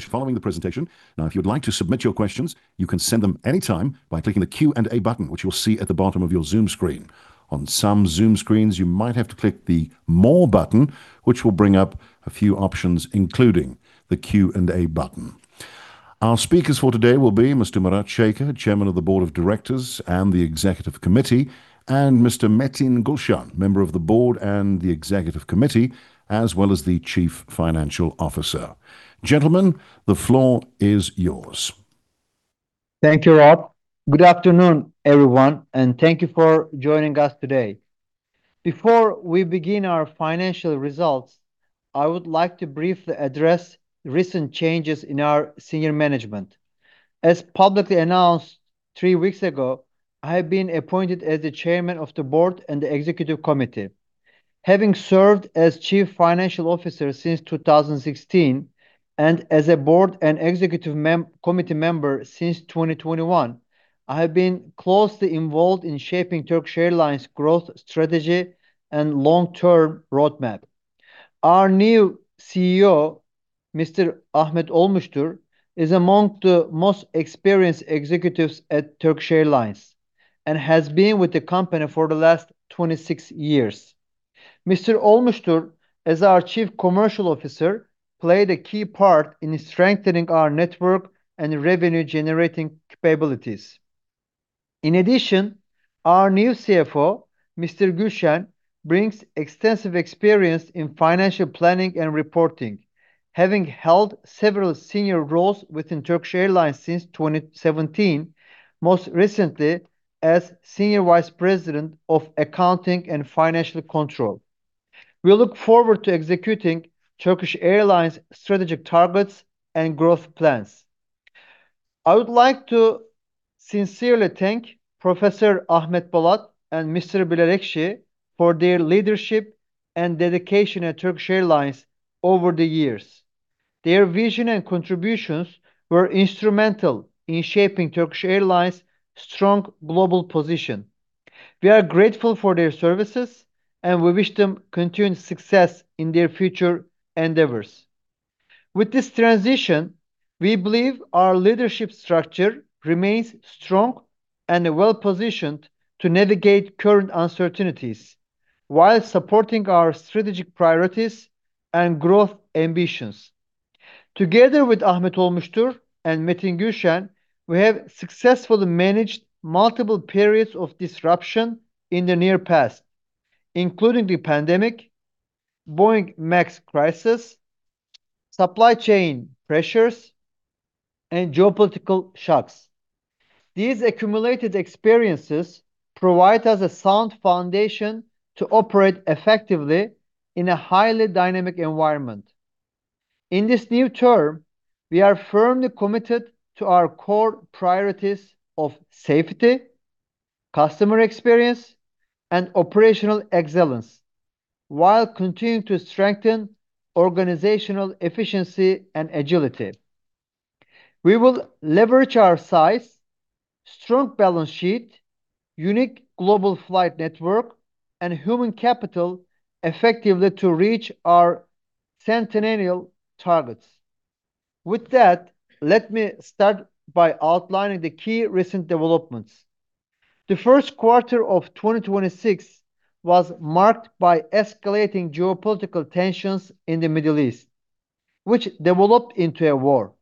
Following the presentation. Now, if you'd like to submit your questions, you can send them anytime by clicking the Q&A button, which you'll see at the bottom of your Zoom screen. On some Zoom screens, you might have to click the More button, which will bring up a few options, including the Q&A button. Our speakers for today will be Mr. Murat Şeker, Chairman of the Board of Directors and the Executive Committee, and Mr. Metin Gülşen, Member of the Board and the Executive Committee, as well as the Chief Financial Officer. Gentlemen, the floor is yours. Thank you, Rob. Good afternoon, everyone, and thank you for joining us today. Before we begin our financial results, I would like to briefly address recent changes in our senior management. As publicly announced three weeks ago, I have been appointed as the Chairman of the Board and the Executive Committee. Having served as Chief Financial Officer since 2016, and as a Board and Executive Committee member since 2021, I have been closely involved in shaping Turkish Airlines' growth strategy and long-term roadmap. Our new CEO, Mr. Ahmet Olmuştur, is among the most experienced executives at Turkish Airlines, and has been with the company for the last 26 years. Mr. Olmuştur, as our Chief Commercial Officer, played a key part in strengthening our network and revenue generating capabilities. In addition, our new CFO, Mr. Gülşen, brings extensive experience in financial planning and reporting, having held several senior roles within Turkish Airlines since 2017, most recently as Senior Vice President of Accounting and Financial Control. We look forward to executing Turkish Airlines strategic targets and growth plans. I would like to sincerely thank Professor Ahmet Bolat and Mr. Bilal Ekşi for their leadership and dedication at Turkish Airlines over the years. Their vision and contributions were instrumental in shaping Turkish Airlines strong global position. We are grateful for their services, and we wish them continued success in their future endeavors. With this transition, we believe our leadership structure remains strong and well-positioned to navigate current uncertainties while supporting our strategic priorities and growth ambitions. Together with Ahmet Olmuştur and Metin Gülşen, we have successfully managed multiple periods of disruption in the near past, including the pandemic, Boeing MAX crisis, supply chain pressures, and geopolitical shocks. These accumulated experiences provide us a sound foundation to operate effectively in a highly dynamic environment. In this new term, we are firmly committed to our core priorities of safety, customer experience, and operational excellence, while continuing to strengthen organizational efficiency and agility. We will leverage our size, strong balance sheet, unique global flight network, and human capital effectively to reach our centennial targets. With that, let me start by outlining the key recent developments. The first quarter of 2026 was marked by escalating geopolitical tensions in the Middle East, which developed into a war,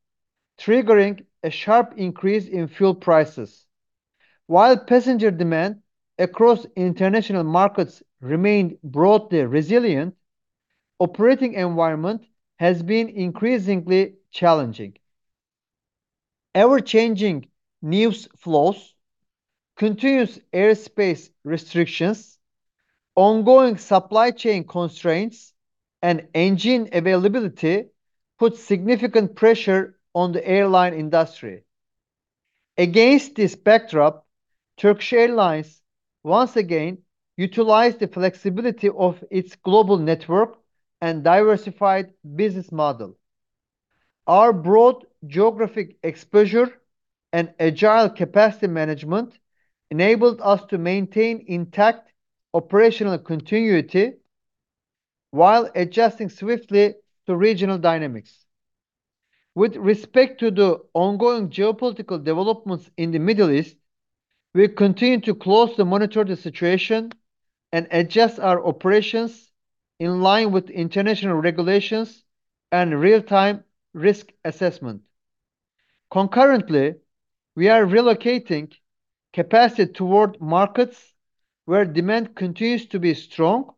triggering a sharp increase in fuel prices. While passenger demand across international markets remained broadly resilient, operating environment has been increasingly challenging. Ever-changing news flows, continuous airspace restrictions, ongoing supply chain constraints, and engine availability put significant pressure on the airline industry. Against this backdrop, Turkish Airlines once again utilized the flexibility of its global network and diversified business model. Our broad geographic exposure and agile capacity management enabled us to maintain intact operational continuity while adjusting swiftly to regional dynamics. With respect to the ongoing geopolitical developments in the Middle East, we continue to closely monitor the situation and adjust our operations in line with international regulations and real-time risk assessment. Concurrently, we are relocating capacity toward markets where demand continues to be strong,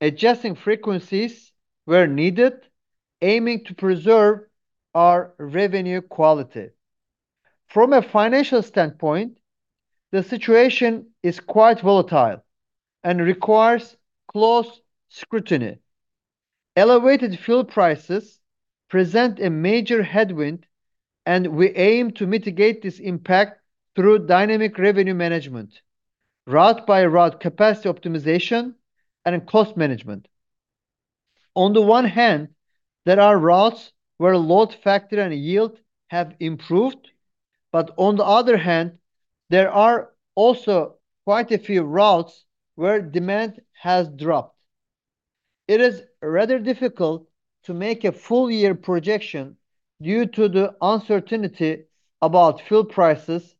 adjusting frequencies where needed, aiming to preserve our revenue quality. From a financial standpoint, the situation is quite volatile and requires close scrutiny. Elevated fuel prices present a major headwind. We aim to mitigate this impact through dynamic revenue management, route by route capacity optimization, and cost management. On the one hand, there are routes where load factor and yield have improved. On the other hand, there are also quite a few routes where demand has dropped. It is rather difficult to make a full year projection due to the uncertainty about fuel prices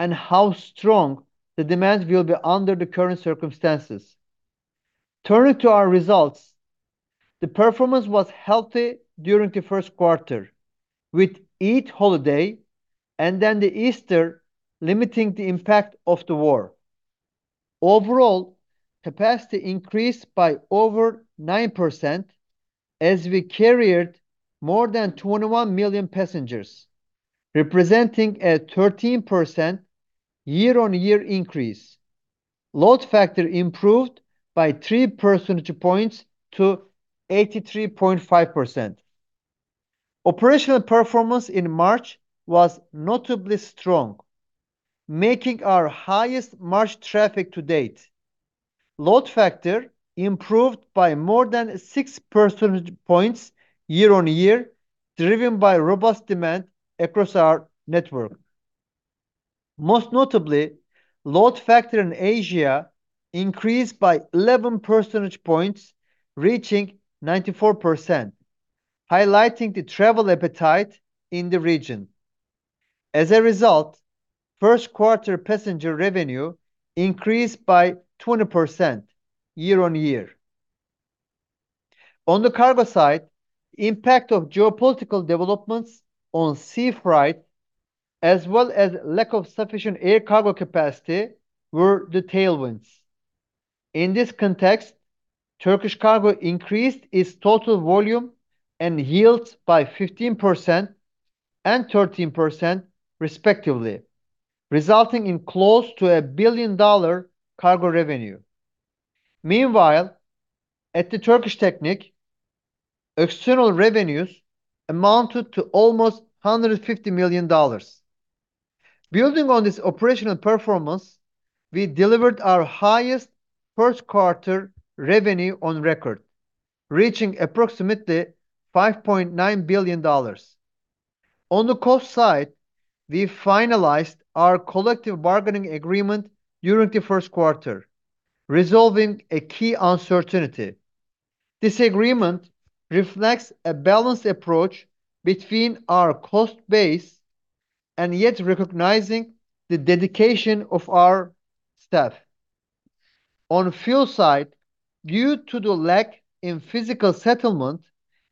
and how strong the demands will be under the current circumstances. Turning to our results, the performance was healthy during the first quarter, with Eid holiday and then the Easter limiting the impact of the war. Overall, capacity increased by over 9% as we carried more than 21 million passengers, representing a 13% year-on-year increase. Load factor improved by 3 percentage points to 83.5%. Operational performance in March was notably strong, making our highest March traffic to date. Load factor improved by more than 6 percentage points year-on-year, driven by robust demand across our network. Most notably, load factor in Asia increased by 11 percentage points, reaching 94%, highlighting the travel appetite in the region. As a result, first quarter passenger revenue increased by 20% year-on-year. On the cargo side, impact of geopolitical developments on sea freight, as well as lack of sufficient air cargo capacity, were the tailwinds. In this context, Turkish Cargo increased its total volume and yields by 15% and 13% respectively, resulting in close to a $1 billion cargo revenue. Meanwhile, at the Turkish Technic, external revenues amounted to almost $150 million. Building on this operational performance, we delivered our highest first quarter revenue on record, reaching approximately $5.9 billion. On the cost side, we finalized our collective bargaining agreement during the first quarter, resolving a key uncertainty. This agreement reflects a balanced approach between our cost base, and yet recognizing the dedication of our staff. On fuel side, due to the lack in physical settlement,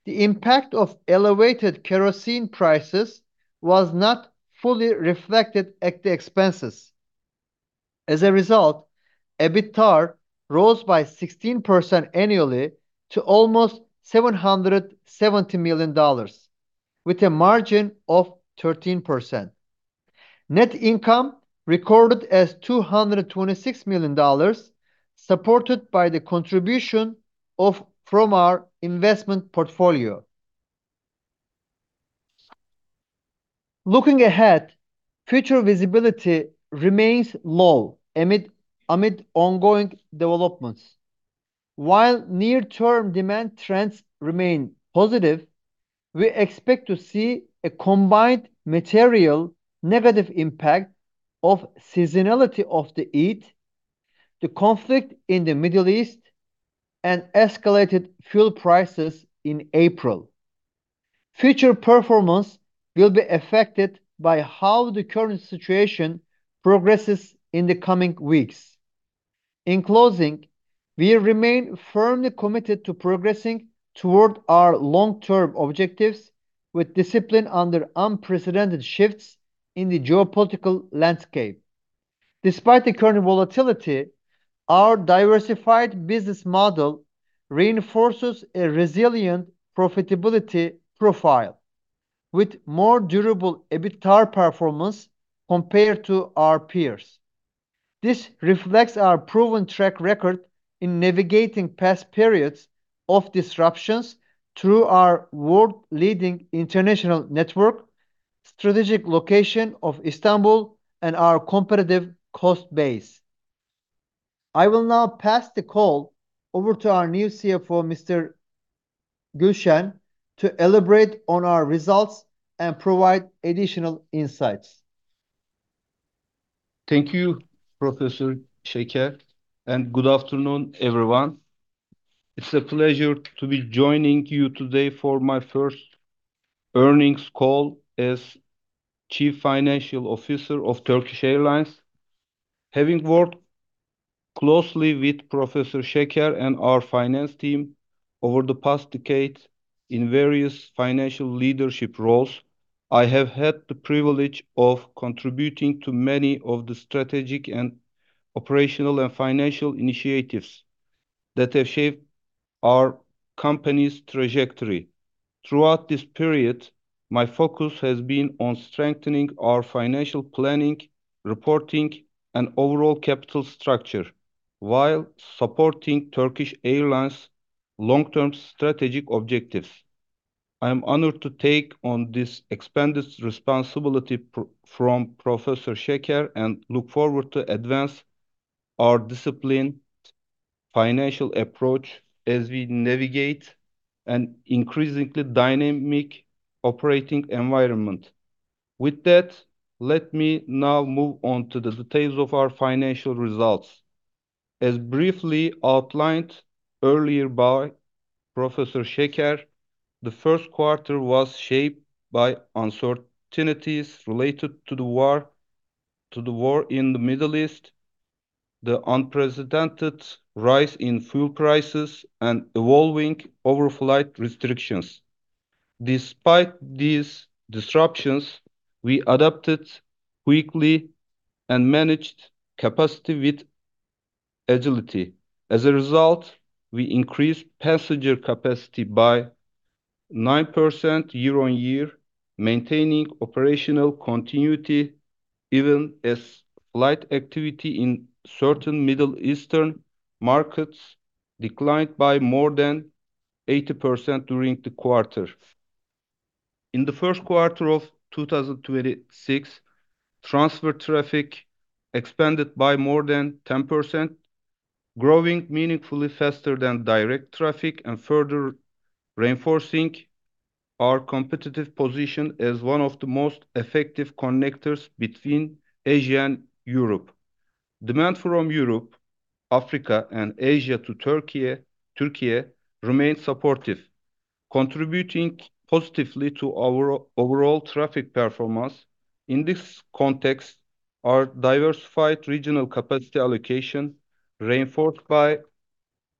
the impact of elevated kerosene prices was not fully reflected at the expenses. As a result, EBITDAR rose by 16% annually to almost $770 million, with a margin of 13%. Net income recorded as $226 million, supported by the contribution from our investment portfolio. Looking ahead, future visibility remains low amid ongoing developments. While near term demand trends remain positive, we expect to see a combined material negative impact of seasonality of the Eid, the conflict in the Middle East, and escalated fuel prices in April. Future performance will be affected by how the current situation progresses in the coming weeks. In closing, we remain firmly committed to progressing toward our long-term objectives with discipline under unprecedented shifts in the geopolitical landscape. Despite the current volatility, our diversified business model reinforces a resilient profitability profile, with more durable EBITDAR performance compared to our peers. This reflects our proven track record in navigating past periods of disruptions through our world-leading international network, strategic location of Istanbul, and our competitive cost base. I will now pass the call over to our new CFO, Mr. Gülşen, to elaborate on our results and provide additional insights. Thank you, Professor Şeker, and good afternoon, everyone. It's a pleasure to be joining you today for my first earnings call as Chief Financial Officer of Turkish Airlines. Having worked closely with Professor Şeker and our finance team over the past decade in various financial leadership roles, I have had the privilege of contributing to many of the strategic and operational and financial initiatives that have shaped our company's trajectory. Throughout this period, my focus has been on strengthening our financial planning, reporting, and overall capital structure, while supporting Turkish Airlines' long-term strategic objectives. I am honored to take on this expanded responsibility from Professor Şeker, and look forward to advance our disciplined financial approach as we navigate an increasingly dynamic operating environment. With that, let me now move on to the details of our financial results. As briefly outlined earlier by Professor Şeker, the 1st quarter was shaped by uncertainties related to the war in the Middle East, the unprecedented rise in fuel prices, and evolving overflight restrictions. Despite these disruptions, we adapted quickly and managed capacity with agility. As a result, we increased passenger capacity by 9% year-on-year, maintaining operational continuity even as flight activity in certain Middle Eastern markets declined by more than 80% during the quarter. In the 1st quarter of 2026, transfer traffic expanded by more than 10%, growing meaningfully faster than direct traffic and further reinforcing our competitive position as one of the most effective connectors between Asia and Europe. Demand from Europe, Africa, and Asia to Türkiye remained supportive, contributing positively to our overall traffic performance. In this context, our diversified regional capacity allocation, reinforced by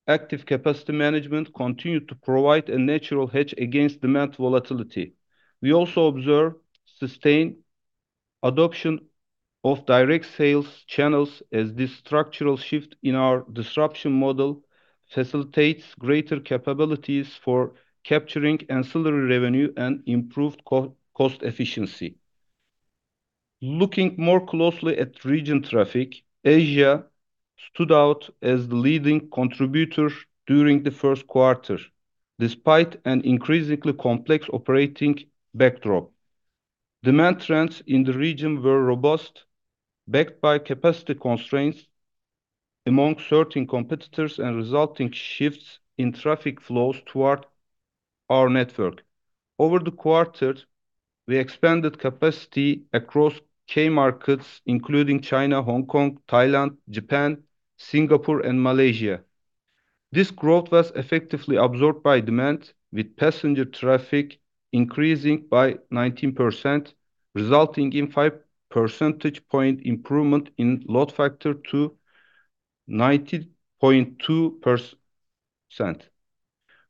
active capacity management, continued to provide a natural hedge against demand volatility. We also observe sustained adoption of direct sales channels as this structural shift in our disruption model facilitates greater capabilities for capturing ancillary revenue and improved co-cost efficiency. Looking more closely at region traffic, Asia stood out as the leading contributor during the first quarter, despite an increasingly complex operating backdrop. Demand trends in the region were robust, backed by capacity constraints among certain competitors and resulting shifts in traffic flows toward our network. Over the quarter, we expanded capacity across key markets, including China, Hong Kong, Thailand, Japan, Singapore, and Malaysia. This growth was effectively absorbed by demand, with passenger traffic increasing by 19%, resulting in 5 percentage point improvement in load factor to 90.2%.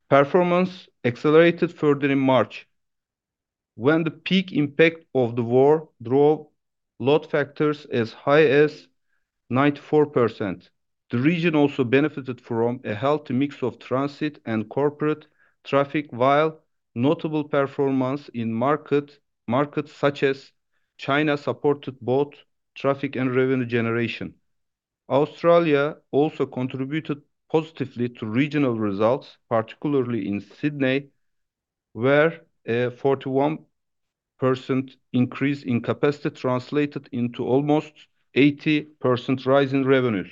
Performance accelerated further in March when the peak impact of the war drove load factors as high as 94%. The region also benefited from a healthy mix of transit and corporate traffic, while notable performance in markets such as China supported both traffic and revenue generation. Australia also contributed positively to regional results, particularly in Sydney, where a 41% increase in capacity translated into almost 80% rise in revenue.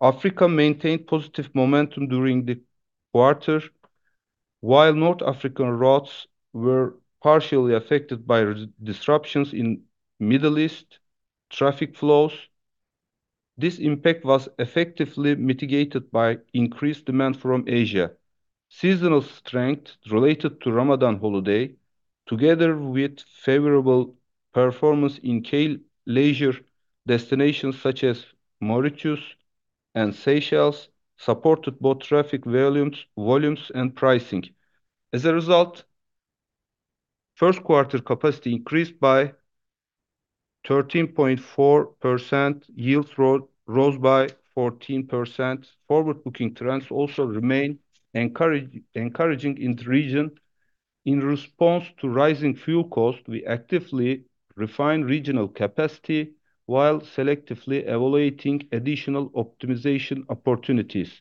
Africa maintained positive momentum during the quarter. While North African routes were partially affected by disruptions in Middle East traffic flows, this impact was effectively mitigated by increased demand from Asia. Seasonal strength related to Ramadan holiday, together with favorable performance in key leisure destinations such as Mauritius and Seychelles, supported both traffic volumes and pricing. As a result, first quarter capacity increased by 13.4%, yields rose by 14%. Forward-booking trends also remain encouraging in the region. In response to rising fuel costs, we actively refine regional capacity while selectively evaluating additional optimization opportunities.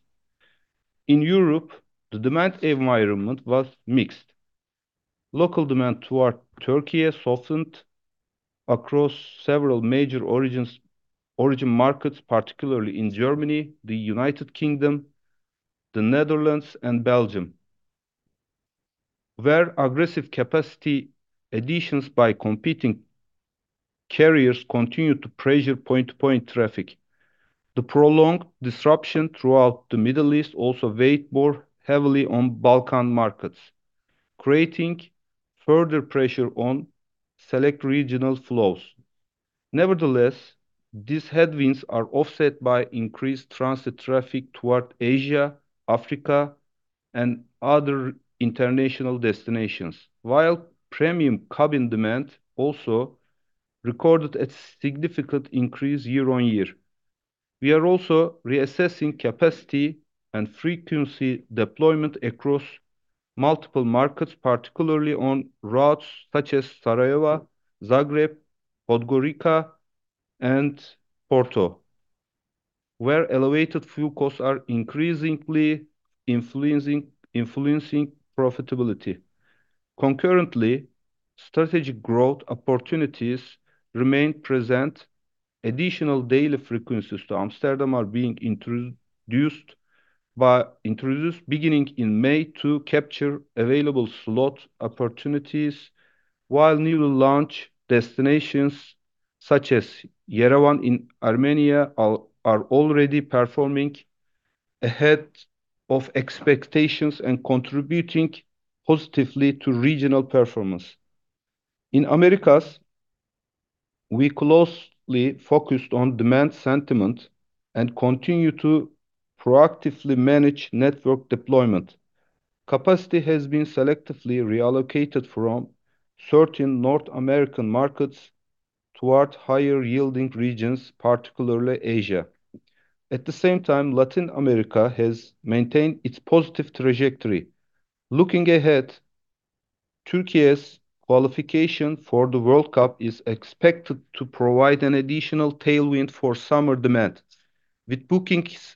In Europe, the demand environment was mixed. Local demand toward Türkiye softened across several major origin markets, particularly in Germany, the U.K., the Netherlands, and Belgium, where aggressive capacity additions by competing carriers continued to pressure point-to-point traffic. The prolonged disruption throughout the Middle East also weighed more heavily on Balkan markets, creating further pressure on select regional flows. Nevertheless, these headwinds are offset by increased transit traffic toward Asia, Africa, and other international destinations, while premium cabin demand also recorded a significant increase year on year. We are also reassessing capacity and frequency deployment across multiple markets, particularly on routes such as Sarajevo, Zagreb, Podgorica, and Porto, where elevated fuel costs are increasingly influencing profitability. Concurrently, strategic growth opportunities remain present. Additional daily frequencies to Amsterdam are being introduced beginning in May to capture available slot opportunities, while newly launched destinations, such as Yerevan in Armenia, are already performing ahead of expectations and contributing positively to regional performance. In Americas, we closely focused on demand sentiment and continue to proactively manage network deployment. Capacity has been selectively reallocated from certain North American markets toward higher yielding regions, particularly Asia. At the same time, Latin America has maintained its positive trajectory. Looking ahead, Türkiye's qualification for the World Cup is expected to provide an additional tailwind for summer demand, with bookings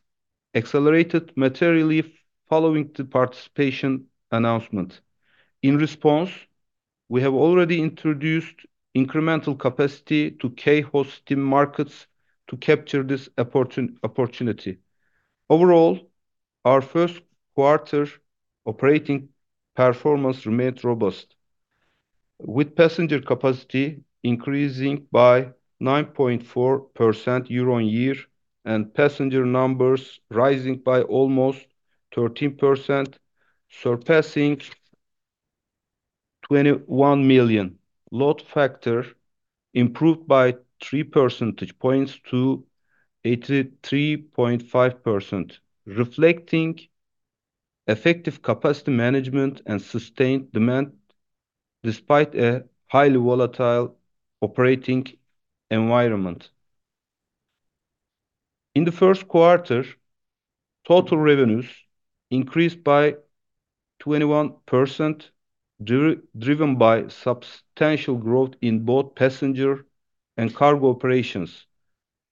accelerated materially following the participation announcement. In response, we have already introduced incremental capacity to key hosting markets to capture this opportunity. Overall, our first quarter operating performance remained robust, with passenger capacity increasing by 9.4% year-on-year and passenger numbers rising by almost 13%, surpassing 21 million. Load factor improved by 3 percentage points to 83.5%, reflecting effective capacity management and sustained demand despite a highly volatile operating environment. In the first quarter, total revenues increased by 21%, driven by substantial growth in both passenger and cargo operations.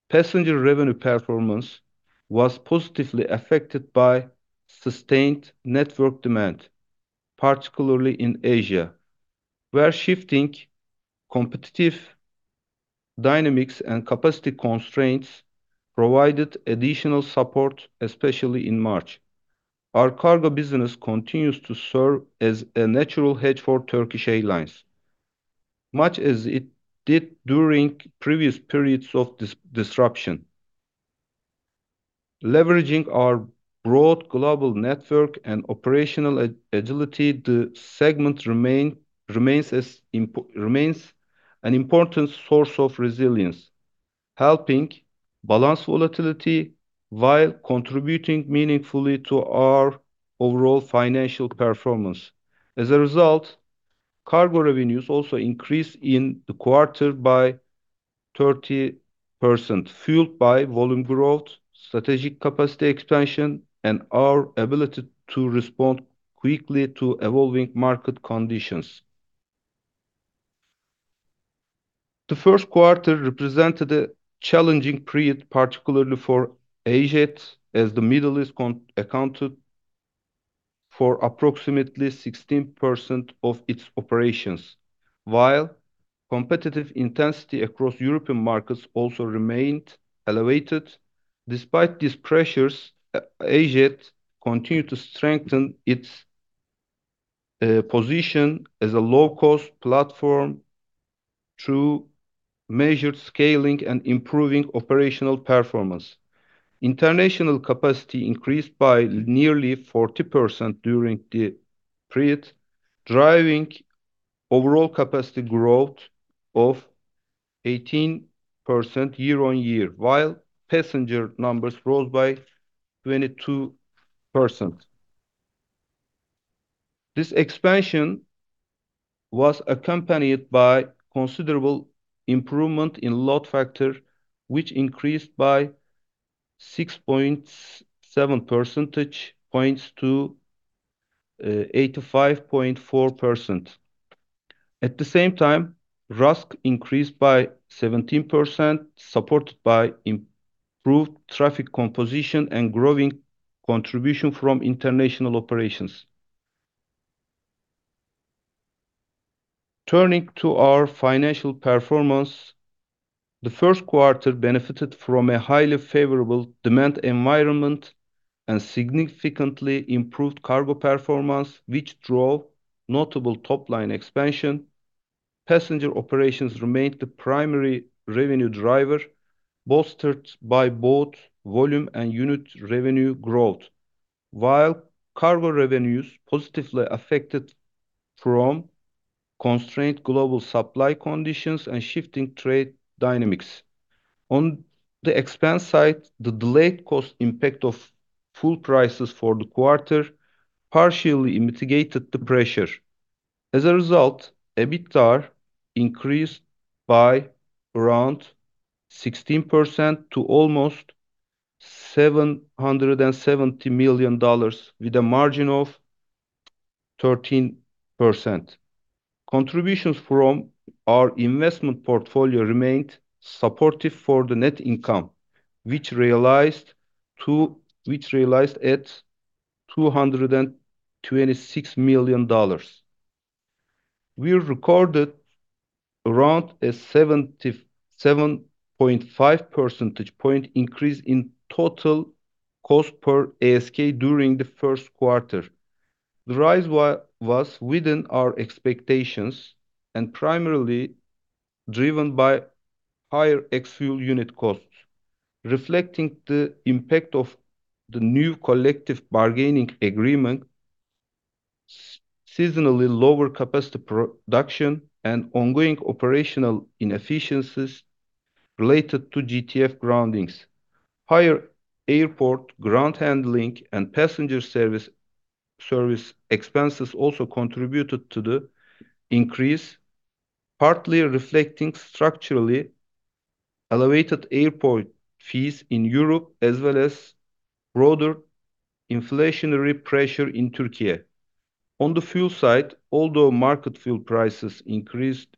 Passenger revenue performance was positively affected by sustained network demand, particularly in Asia, where shifting competitive dynamics and capacity constraints provided additional support, especially in March. Our cargo business continues to serve as a natural hedge for Turkish Airlines, much as it did during previous periods of disruption. Leveraging our broad global network and operational agility, the segment remains an important source of resilience, helping balance volatility while contributing meaningfully to our overall financial performance. As a result, cargo revenues also increased in the quarter by 30%, fueled by volume growth, strategic capacity expansion, and our ability to respond quickly to evolving market conditions. The first quarter represented a challenging period, particularly for AJet, as the Middle East accounted for approximately 16% of its operations, while competitive intensity across European markets also remained elevated. Despite these pressures, AJet continued to strengthen its position as a low-cost platform through measured scaling and improving operational performance. International capacity increased by nearly 40% during the period, driving overall capacity growth of 18% year on year, while passenger numbers rose by 22%. This expansion was accompanied by considerable improvement in load factor, which increased by 6.7 percentage points to 85.4%. At the same time, RASK increased by 17%, supported by improved traffic composition and growing contribution from international operations. Turning to our financial performance, the first quarter benefited from a highly favorable demand environment and significantly improved cargo performance, which drove notable top-line expansion. Passenger operations remained the primary revenue driver, bolstered by both volume and unit revenue growth, while cargo revenues positively affected from constrained global supply conditions and shifting trade dynamics. On the expense side, the delayed cost impact of fuel prices for the quarter partially mitigated the pressure. As a result, EBITDA increased by around 16% to almost $770 million with a margin of 13%. Contributions from our investment portfolio remained supportive for the net income, which realized at $226 million. We recorded around a 77.5 percentage point increase in total cost per ASK during the first quarter. The rise was within our expectations, and primarily driven by higher ex-fuel unit costs, reflecting the impact of the new collective bargaining agreement, seasonally lower capacity production, and ongoing operational inefficiencies related to GTF groundings. Higher airport ground handling and passenger service expenses also contributed to the increase, partly reflecting structurally elevated airport fees in Europe, as well as broader inflationary pressure in Türkiye. On the fuel side, although market fuel prices increased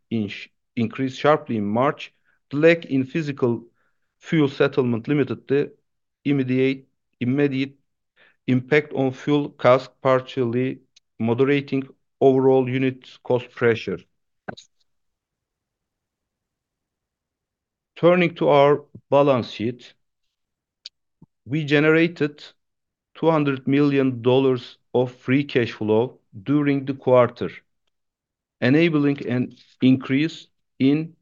sharply in March, the lag in physical fuel settlement limited the immediate impact on fuel cost, partially moderating overall unit cost pressure. Turning to our balance sheet, we generated $200 million of free cash flow during the quarter, enabling an increase in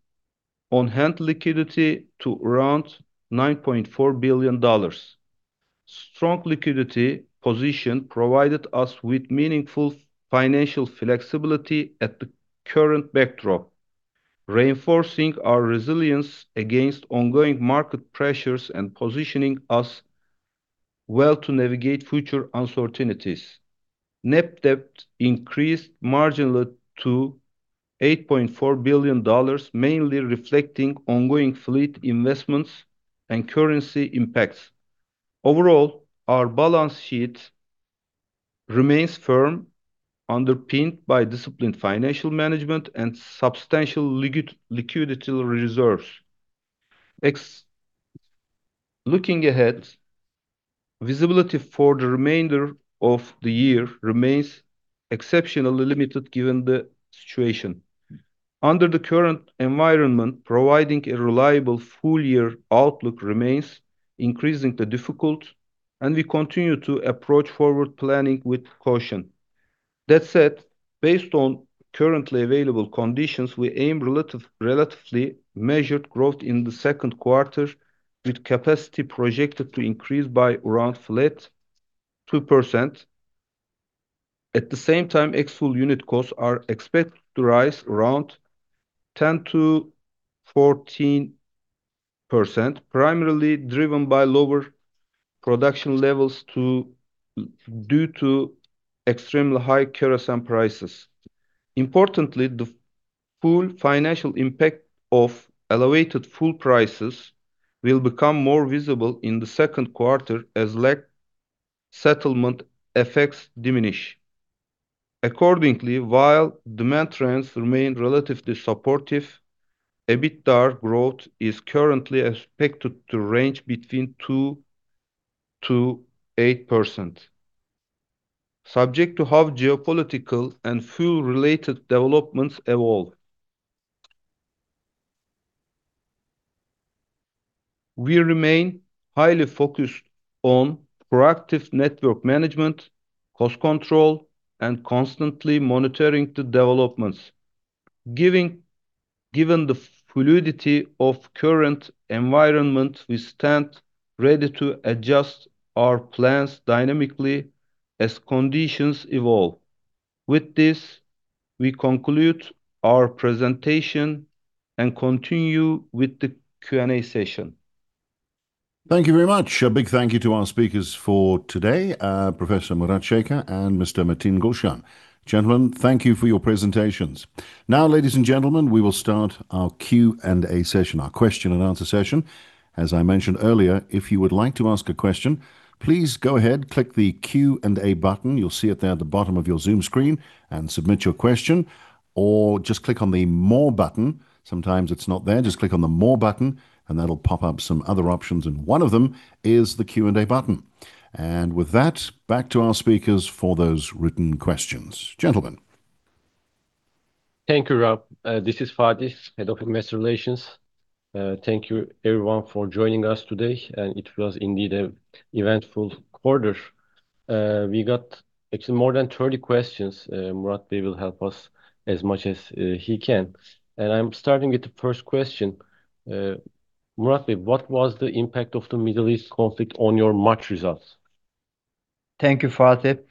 on-hand liquidity to around $9.4 billion. Strong liquidity position provided us with meaningful financial flexibility at the current backdrop, reinforcing our resilience against ongoing market pressures and positioning us well to navigate future uncertainties. Net debt increased marginally to $8.4 billion, mainly reflecting ongoing fleet investments and currency impacts. Overall, our balance sheet remains firm, underpinned by disciplined financial management and substantial liquidity reserves. Looking ahead, visibility for the remainder of the year remains exceptionally limited given the situation. Under the current environment, providing a reliable full-year outlook remains increasingly difficult. We continue to approach forward planning with caution. That said, based on currently available conditions, we aim relatively measured growth in the second quarter, with capacity projected to increase by around flat 2%. At the same time, ex-fuel unit costs are expected to rise around 10%-14%, primarily driven by lower production levels due to extremely high kerosene prices. Importantly, the full financial impact of elevated fuel prices will become more visible in the second quarter as lag settlement effects diminish. Accordingly, while demand trends remain relatively supportive, EBITDAR growth is currently expected to range between 2%-8%, subject to how geopolitical and fuel-related developments evolve. We remain highly focused on proactive network management, cost control, and constantly monitoring the developments. Given the fluidity of current environment, we stand ready to adjust our plans dynamically as conditions evolve. With this, we conclude our presentation and continue with the Q&A session. Thank you very much. A big thank you to our speakers for today, Professor Murat Şeker and Mr. Metin Gülşen. Gentlemen, thank you for your presentations. Ladies and gentlemen, we will start our Q&A session, our question and answer session. As I mentioned earlier, if you would like to ask a question, please go ahead, click the Q&A button. You'll see it there at the bottom of your Zoom screen, submit your question. Just click on the More button. Sometimes it's not there. Just click on the More button, that'll pop up some other options, and one of them is the Q&A button. With that, back to our speakers for those written questions. Gentlemen. Thank you, Rob. This is Fatih, Head of Investor Relations. Thank you everyone for joining us today, and it was indeed a eventful quarter. We got actually more than 30 questions. Murat Bey will help us as much as he can. I'm starting with the first question. Murat Bey, what was the impact of the Middle East conflict on your March results? Thank you, Fatih.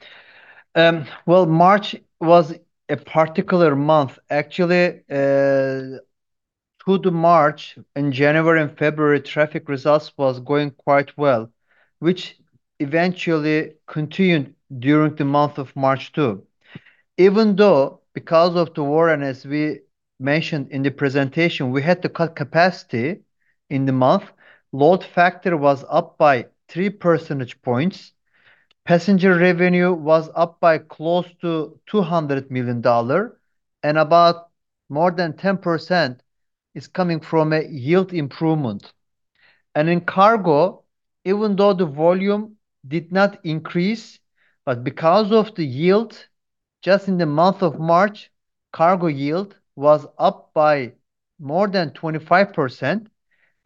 Well, March was a particular month. Actually, through the March, in January and February, traffic results was going quite well, which eventually continued during the month of March too. Even though, because of the war, and as we mentioned in the presentation, we had to cut capacity in the month, load factor was up by three percentage points. Passenger revenue was up by close to $200 million, and about more than 10%. Is coming from a yield improvement. In cargo, even though the volume did not increase, but because of the yield, just in the month of March, cargo yield was up by more than 25%.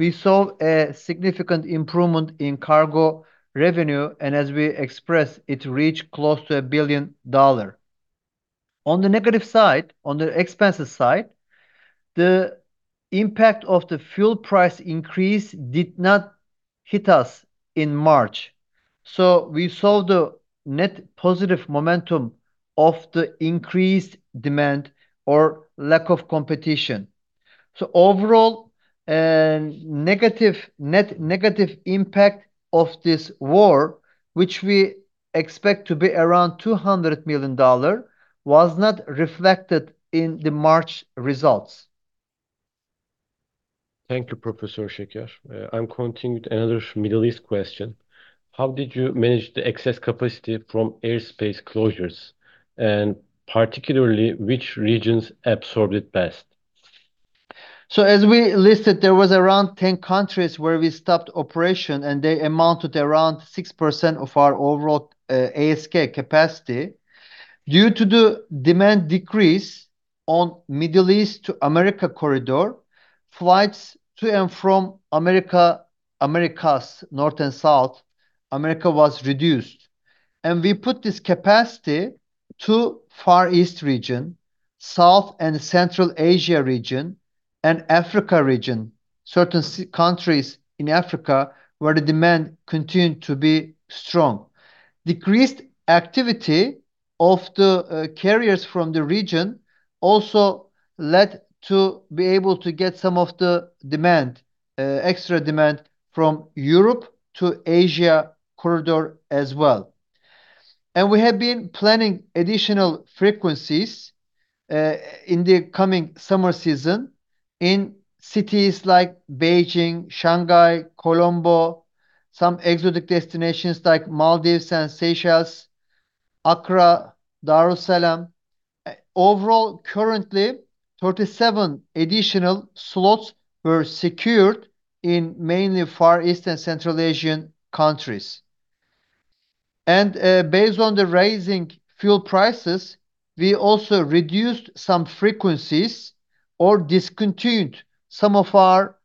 We saw a significant improvement in cargo revenue, and as we expressed, it reached close to $1 billion. On the negative side, on the expenses side, the impact of the fuel price increase did not hit us in March, so we saw the net positive momentum of the increased demand or lack of competition. Overall, an negative, net negative impact of this war, which we expect to be around $200 million, was not reflected in the March results. Thank you, Professor Şeker. I'm continuing with another Middle East question. How did you manage the excess capacity from airspace closures, and particularly which regions absorbed it best? As we listed, there was around 10 countries where we stopped operation, and they amounted around 6% of our overall ASK capacity. Due to the demand decrease on Middle East to America corridor, flights to and from America, Americas, North and South America, was reduced. We put this capacity to Far East region, South and Central Asia region, and Africa region, certain countries in Africa where the demand continued to be strong. Decreased activity of the carriers from the region also led to be able to get some of the demand, extra demand from Europe to Asia corridor as well. We have been planning additional frequencies in the coming summer season in cities like Beijing, Shanghai, Colombo, some exotic destinations like Maldives and Seychelles, Accra, Dar es Salaam. Overall, currently, 37 additional slots were secured in mainly Far East and Central Asian countries. Based on the rising fuel prices, we also reduced some frequencies or discontinued some of our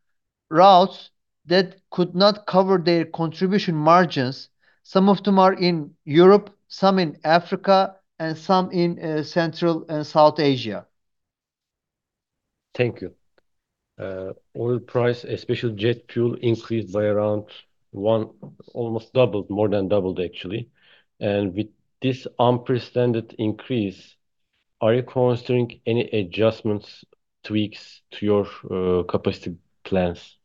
routes that could not cover their contribution margins. Some of them are in Europe, some in Africa, and some in Central and South Asia. Thank you. Oil price, especially jet fuel, increased. Almost doubled, more than doubled actually. With this unprecedented increase, are you considering any adjustments, tweaks to your capacity plans?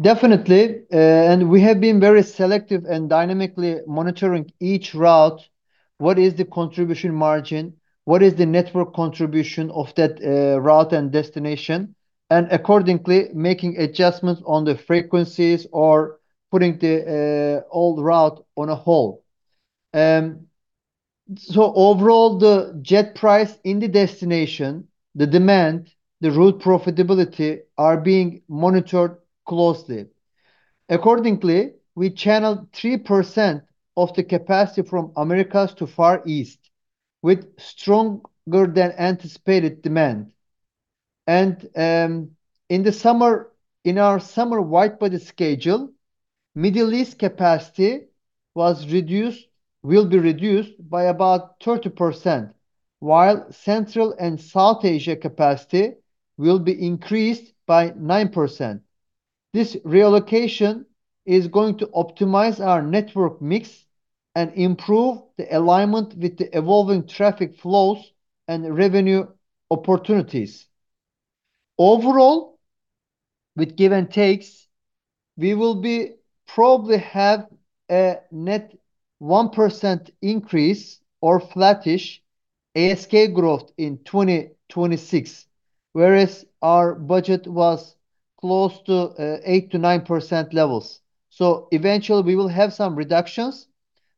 Definitely. We have been very selective and dynamically monitoring each route, what is the contribution margin, what is the network contribution of that route and destination, and accordingly making adjustments on the frequencies or putting the old route on a hold. Overall, the jet price in the destination, the demand, the route profitability are being monitored closely. Accordingly, we channeled 3% of the capacity from Americas to Far East, with stronger than anticipated demand. In the summer, in our summer wide-body schedule, Middle East capacity was reduced, will be reduced by about 30%, while Central and South Asia capacity will be increased by 9%. This reallocation is going to optimize our network mix and improve the alignment with the evolving traffic flows and revenue opportunities. Overall, with give and takes, we will probably have a net 1% increase or flattish ASK growth in 2026, whereas our budget was close to 8%-9% levels. Eventually, we will have some reductions,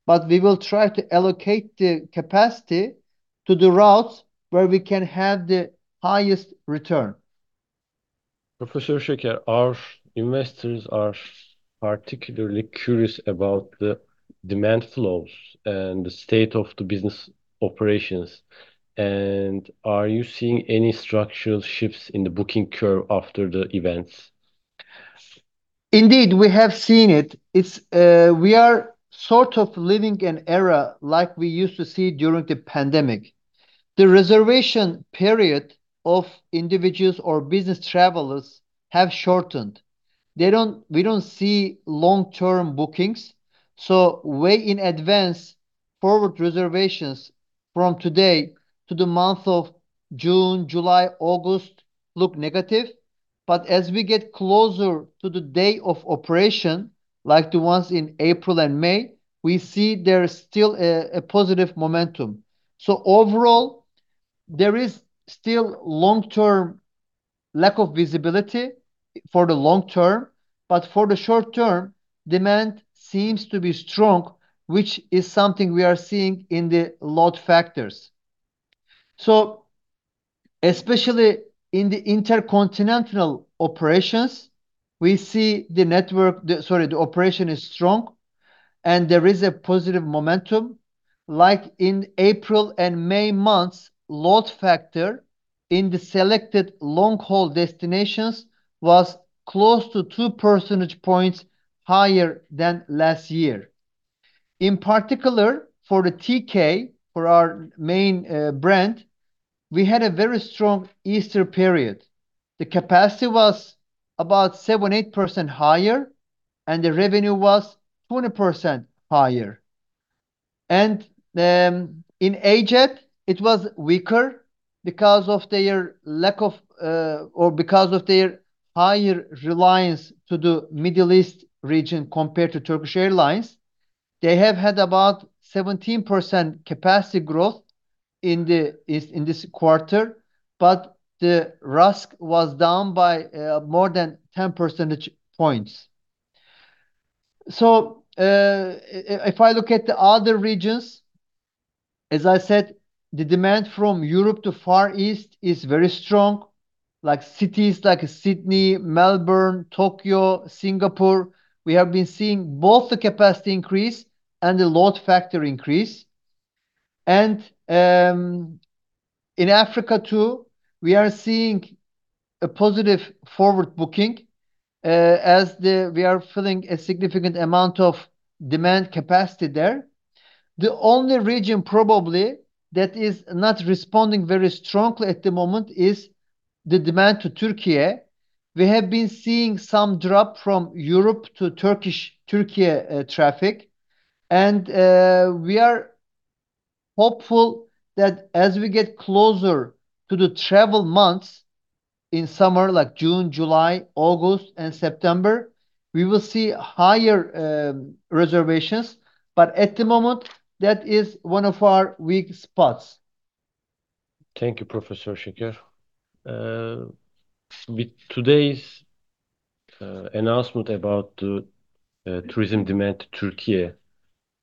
but we will try to allocate the capacity to the routes where we can have the highest return. Professor Şeker, our investors are particularly curious about the demand flows and the state of the business operations, are you seeing any structural shifts in the booking curve after the events? Indeed, we have seen it. It's, we are sort of living an era like we used to see during the pandemic. The reservation period of individuals or business travelers have shortened. They don't, we don't see long-term bookings, so way in advance, forward reservations from today to the month of June, July, August look negative. As we get closer to the day of operation, like the ones in April and May, we see there is still a positive momentum. Overall, there is still long-term lack of visibility for the long term. For the short term, demand seems to be strong, which is something we are seeing in the load factors. Especially in the intercontinental operations, we see the network, the operation is strong, and there is a positive momentum. Like in April and May months, load factor in the selected long-haul destinations was close to 2 percentage points higher than last year. In particular, for the TK, for our main brand, we had a very strong Easter period. The capacity was about 7%-8% higher, and the revenue was 20% higher. In Egypt, it was weaker because of their lack of or because of their higher reliance to the Middle East region compared to Turkish Airlines. They have had about 17% capacity growth in this quarter, but the RASK was down by more than 10 percentage points. If I look at the other regions, as I said, the demand from Europe to Far East is very strong. Like cities like Sydney, Melbourne, Tokyo, Singapore, we have been seeing both the capacity increase and the load factor increase. In Africa too, we are seeing a positive forward booking, we are filling a significant amount of demand capacity there. The only region probably that is not responding very strongly at the moment is the demand to Türkiye. We have been seeing some drop from Europe to Türkiye traffic. We are hopeful that as we get closer to the travel months in summer like June, July, August, and September, we will see higher reservations. At the moment, that is one of our weak spots. Thank you, Professor Şeker. With today's announcement about the tourism demand to Türkiye,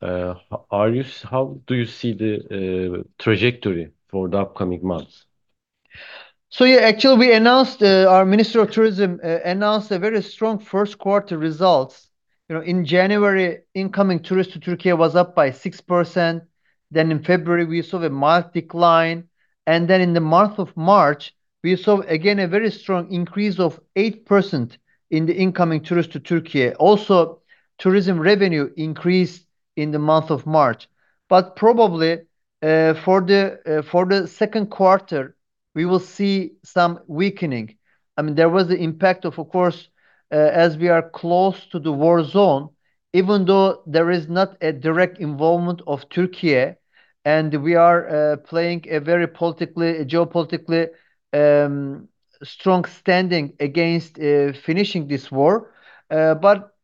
how do you see the trajectory for the upcoming months? Actually, we announced, our Ministry of Tourism announced a very strong first quarter results. You know, in January, incoming tourists to Türkiye was up by 6%. In February, we saw the mild decline. In the month of March, we saw again a very strong increase of 8% in the incoming tourists to Türkiye. Also, tourism revenue increased in the month of March. Probably, for the second quarter, we will see some weakening. I mean, there was the impact of course, as we are close to the war zone, even though there is not a direct involvement of Türkiye, and we are playing a very politically, geopolitically, strong standing against finishing this war.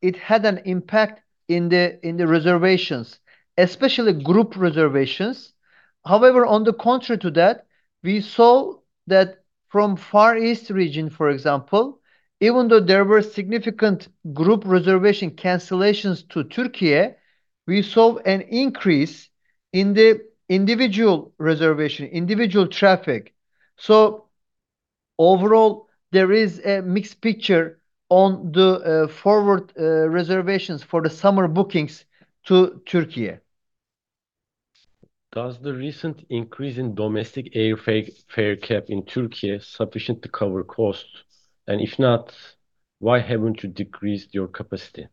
It had an impact in the reservations, especially group reservations. However, on the contrary to that, we saw that from Far East region, for example, even though there were significant group reservation cancellations to Türkiye, we saw an increase in the individual reservation, individual traffic. Overall, there is a mixed picture on the forward reservations for the summer bookings to Türkiye. Does the recent increase in domestic air fare cap in Türkiye sufficient to cover costs? If not, why haven't you decreased your capacity?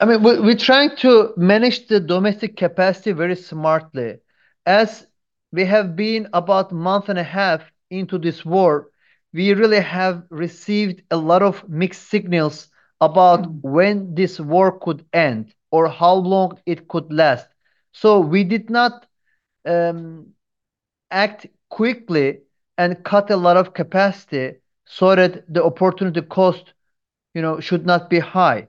I mean, we trying to manage the domestic capacity very smartly. As we have been about a month and a half into this war, we really have received a lot of mixed signals about when this war could end or how long it could last. We did not act quickly and cut a lot of capacity so that the opportunity cost, you know, should not be high.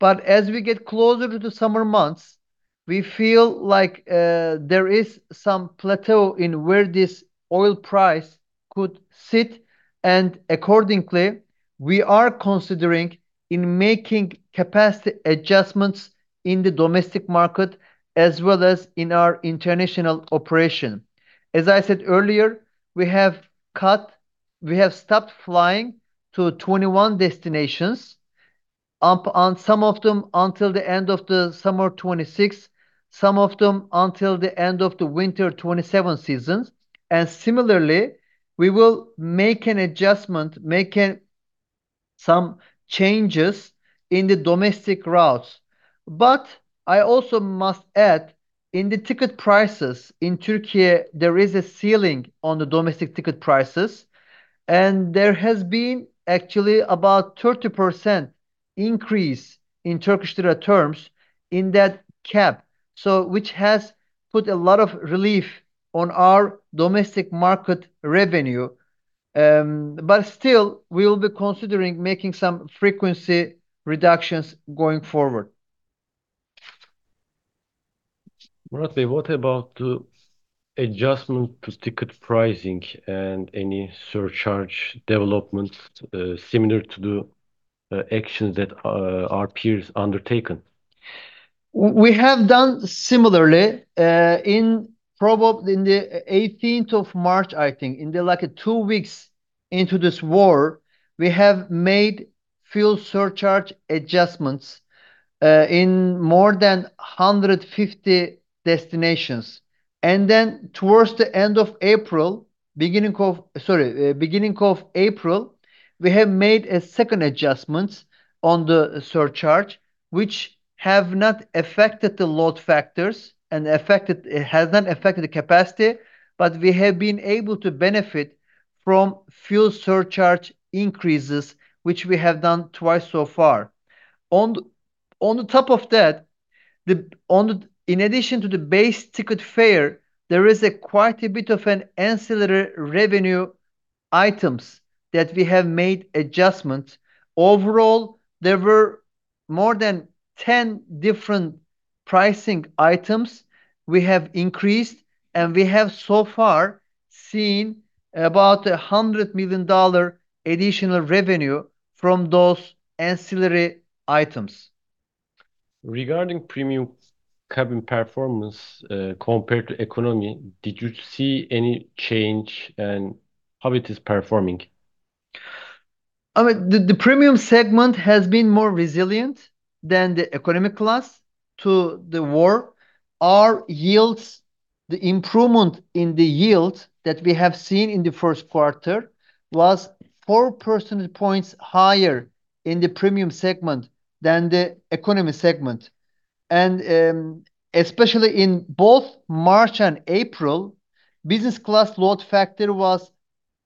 As we get closer to the summer months, we feel like there is some plateau in where this oil price could sit, and accordingly, we are considering in making capacity adjustments in the domestic market as well as in our international operation. As I said earlier, we have stopped flying to 21 destinations, on some of them until the end of the summer 2026, some of them until the end of the winter 2027 seasons. Similarly, we will make some changes in the domestic routes. I also must add, in the ticket prices in Türkiye, there is a ceiling on the domestic ticket prices, and there has been actually about 30% increase in Turkish lira terms in that cap, so which has put a lot of relief on our domestic market revenue. Still, we will be considering making some frequency reductions going forward. Murat Bey, what about the adjustment to ticket pricing and any surcharge developments, similar to the actions that our peers undertaken? We have done similarly in the 18th of March, I think. In the two weeks into this war, we have made fuel surcharge adjustments in more than 150 destinations. Towards the end of April, beginning of April, we have made a second adjustments on the surcharge, which have not affected the load factors and it hasn't affected the capacity, but we have been able to benefit from fuel surcharge increases, which we have done twice so far. On the top of that, in addition to the base ticket fare, there is a quite a bit of an ancillary revenue items that we have made adjustment. Overall, there were more than 10 different pricing items we have increased, and we have so far seen about $100 million additional revenue from those ancillary items. Regarding premium cabin performance, compared to economy, did you see any change, and how it is performing? I mean, the premium segment has been more resilient than the economy class to the war. Our yields, the improvement in the yield that we have seen in the first quarter was 4 percentage points higher in the premium segment than the economy segment. Especially in both March and April, business class load factor was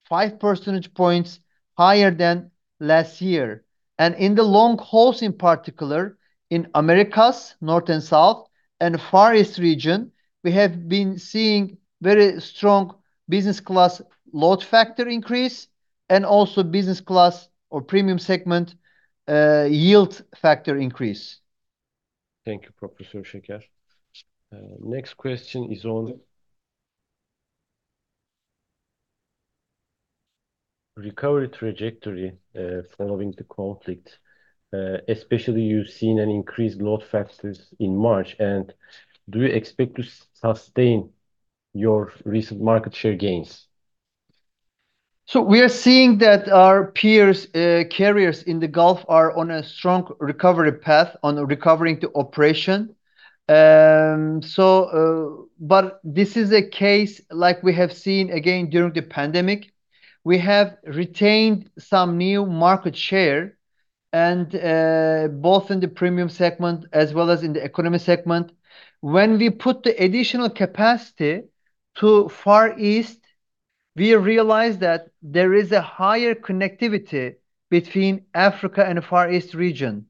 5 percentage points higher than last year. In the long hauls in particular, in Americas, north and south, and Far East region, we have been seeing very strong business class load factor increase, also business class or premium segment yield factor increase. Thank you, Professor Şeker. Next question is on recovery trajectory, following the conflict. Especially you've seen an increased load factors in March, and do you expect to sustain your recent market share gains? We are seeing that our peers, carriers in the Gulf are on a strong recovery path on recovering the operation. This is a case like we have seen again during the pandemic. We have retained some new market share, both in the premium segment as well as in the economy segment. When we put the additional capacity to Far East, we realize that there is a higher connectivity between Africa and Far East region.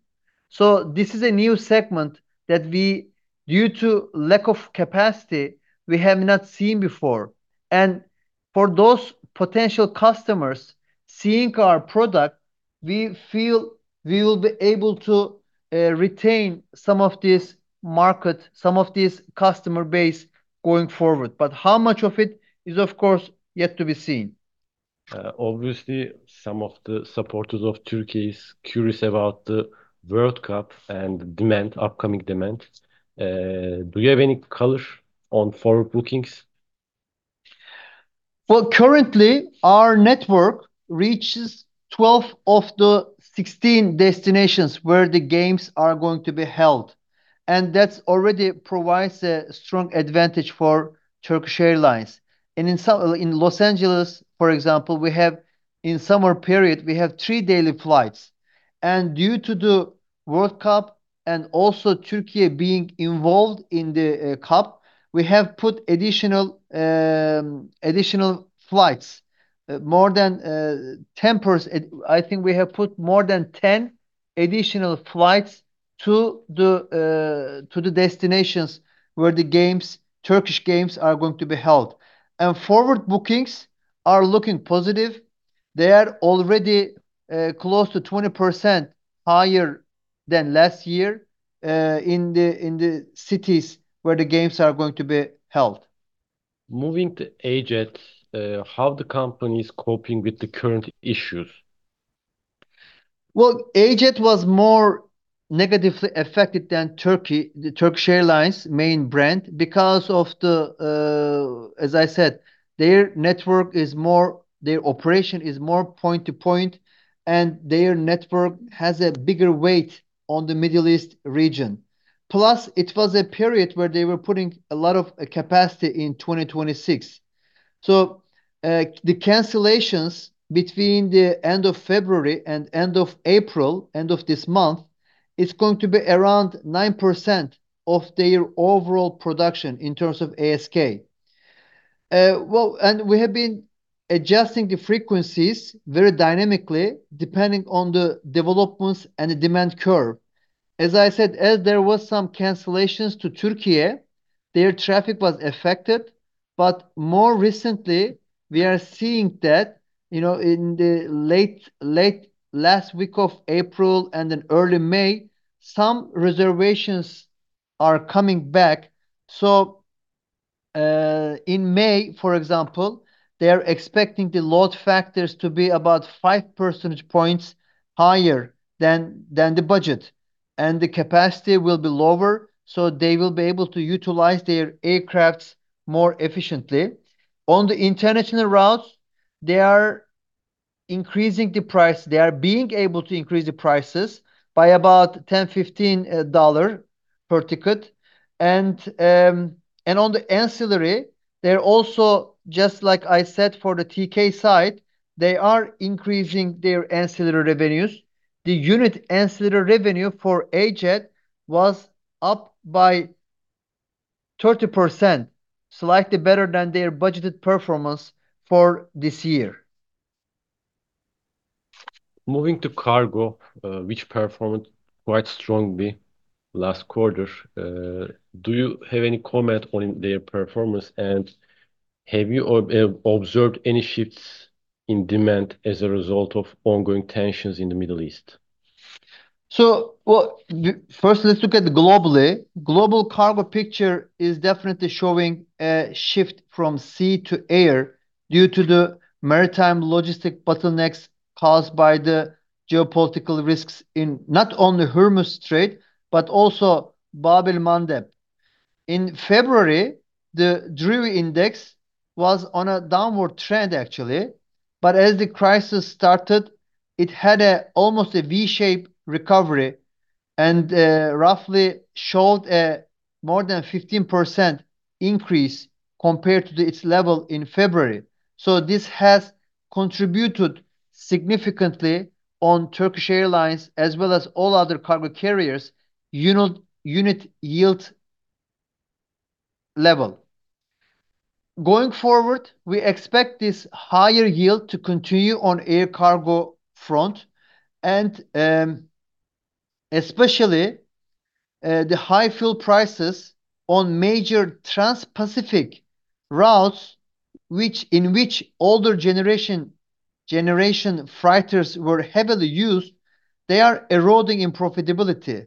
This is a new segment that we, due to lack of capacity, we have not seen before. For those potential customers, seeing our product, we feel we will be able to retain some of this market, some of this customer base going forward. How much of it is, of course, yet to be seen. Obviously some of the supporters of Türkiye is curious about the World Cup and demand, upcoming demand. Do you have any color on forward bookings? Currently our network reaches 12 of the 16 destinations where the games are going to be held, and that's already provides a strong advantage for Turkish Airlines. In Los Angeles, for example, we have, in summer period, we have three daily flights. Due to the World Cup, and also Türkiye being involved in the cup, we have put additional additional flights. I think we have put more than 10 additional flights to the destinations where the games, Turkish games are going to be held. Forward bookings are looking positive. They are already close to 20% higher than last year in the cities where the games are going to be held. Moving to AJet, how the company's coping with the current issues? AJet was more negatively affected than Turkish Airlines, the Turkish Airlines main brand, because of, as I said, their network is more, their operation is more point to point, and their network has a bigger weight on the Middle East region. It was a period where they were putting a lot of capacity in 2026. The cancellations between the end of February and end of April, end of this month, is going to be around 9% of their overall production in terms of ASK. We have been adjusting the frequencies very dynamically, depending on the developments and the demand curve. As I said, as there was some cancellations to Türkiye, their traffic was affected. More recently, we are seeing that, you know, in the late last week of April and in early May, some reservations are coming back. In May, for example, they are expecting the load factors to be about 5 percentage points higher than the budget, and the capacity will be lower, so they will be able to utilize their aircrafts more efficiently. On the international routes, they are increasing the price. They are being able to increase the prices by about 10, $15 per ticket. On the ancillary, they're also, just like I said for the TK side, they are increasing their ancillary revenues. The unit ancillary revenue for AJet was up by 30%, slightly better than their budgeted performance for this year. Moving to cargo, which performed quite strongly last quarter. Do you have any comment on their performance, and have you observed any shifts in demand as a result of ongoing tensions in the Middle East? First let's look at globally. Global cargo picture is definitely showing a shift from sea to air due to the maritime logistic bottlenecks caused by the geopolitical risks in not only Hormuz Strait, but also Bab-el-Mandeb. In February, the Drewry Index was on a downward trend actually, but as the crisis started, it had almost a V-shape recovery and roughly showed more than 15% increase compared to its level in February. This has contributed significantly on Turkish Airlines as well as all other cargo carriers unit yield level. Going forward, we expect this higher yield to continue on air cargo front and especially the high fuel prices on major transpacific routes which, in which older generation freighters were heavily used, they are eroding in profitability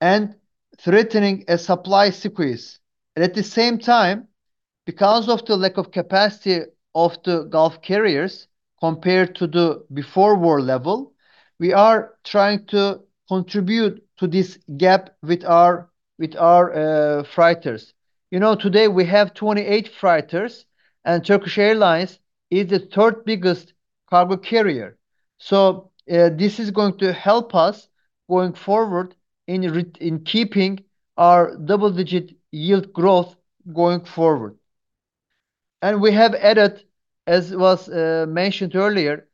and threatening a supply squeeze. At the same time, because of the lack of capacity of the Gulf carriers compared to the before war level, we are trying to contribute to this gap with our freighters. You know, today we have 28 freighters, Turkish Airlines is the third biggest cargo carrier. This is going to help us going forward in keeping our double-digit yield growth going forward. We have added, as was mentioned earlier,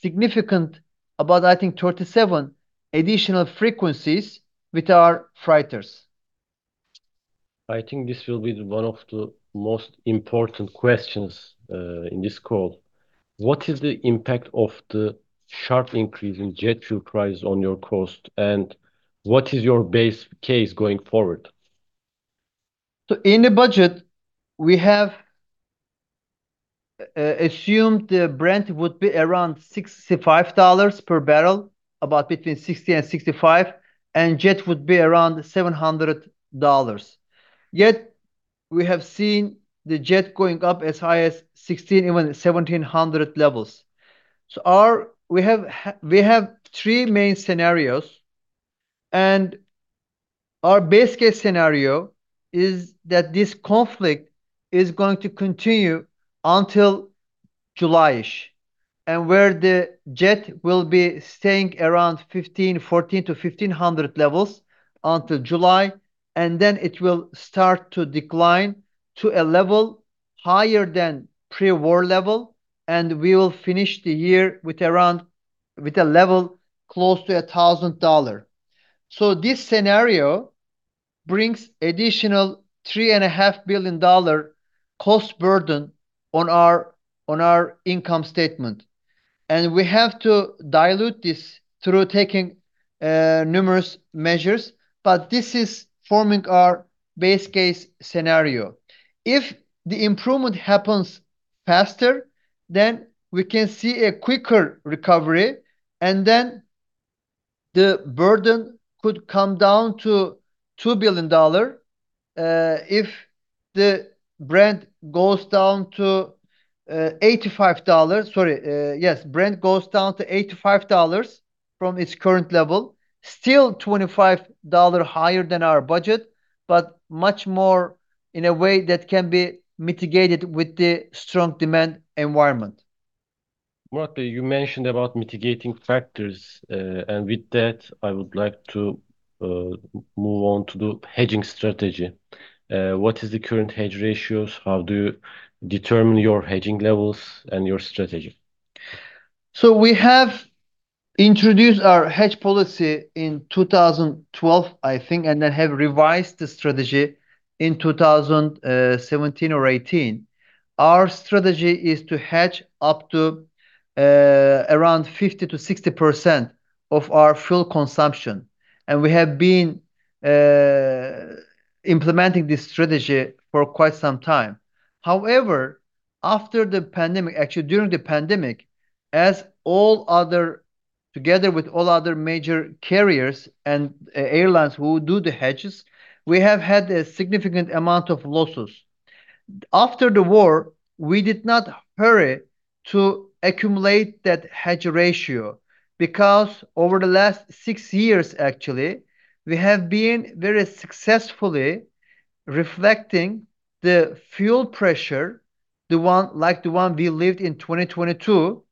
significant, about, I think, 37 additional frequencies with our freighters. I think this will be one of the most important questions in this call. What is the impact of the sharp increase in jet fuel price on your cost, and what is your base case going forward? In the budget, we have assumed the Brent would be around $65 per barrel, about between $60 and $65, and jet would be around $700. Yet we have seen the jet going up as high as $1,600, even $1,700 levels. We have three main scenarios. Our best case scenario is that this conflict is going to continue until July-ish, where the jet will be staying around $1,400-$1,500 levels until July. It will start to decline to a level higher than pre-war level, and we will finish the year with a level close to $1,000. This scenario brings additional $3.5 billion cost burden on our income statement, and we have to dilute this through taking numerous measures, but this is forming our base case scenario. If the improvement happens faster, then we can see a quicker recovery, the burden could come down to $2 billion, if Brent goes down to $85. Sorry, yes, Brent goes down to $85 from its current level, still $25 higher than our budget, but much more in a way that can be mitigated with the strong demand environment. Murat, you mentioned about mitigating factors. With that, I would like to move on to the hedging strategy. What is the current hedge ratios? How do you determine your hedging levels and your strategy? We have introduced our hedge policy in 2012, I think, and then have revised the strategy in 2017 or 2018. Our strategy is to hedge up to around 50% to 60% of our fuel consumption. We have been implementing this strategy for quite some time. However, after the pandemic, actually during the pandemic, as all other, together with all other major carriers and airlines who would do the hedges, we have had a significant amount of losses. After the war, we did not hurry to accumulate that hedge ratio because over the last six years, actually, we have been very successfully reflecting the fuel pressure, the one, like the one we lived in 2022,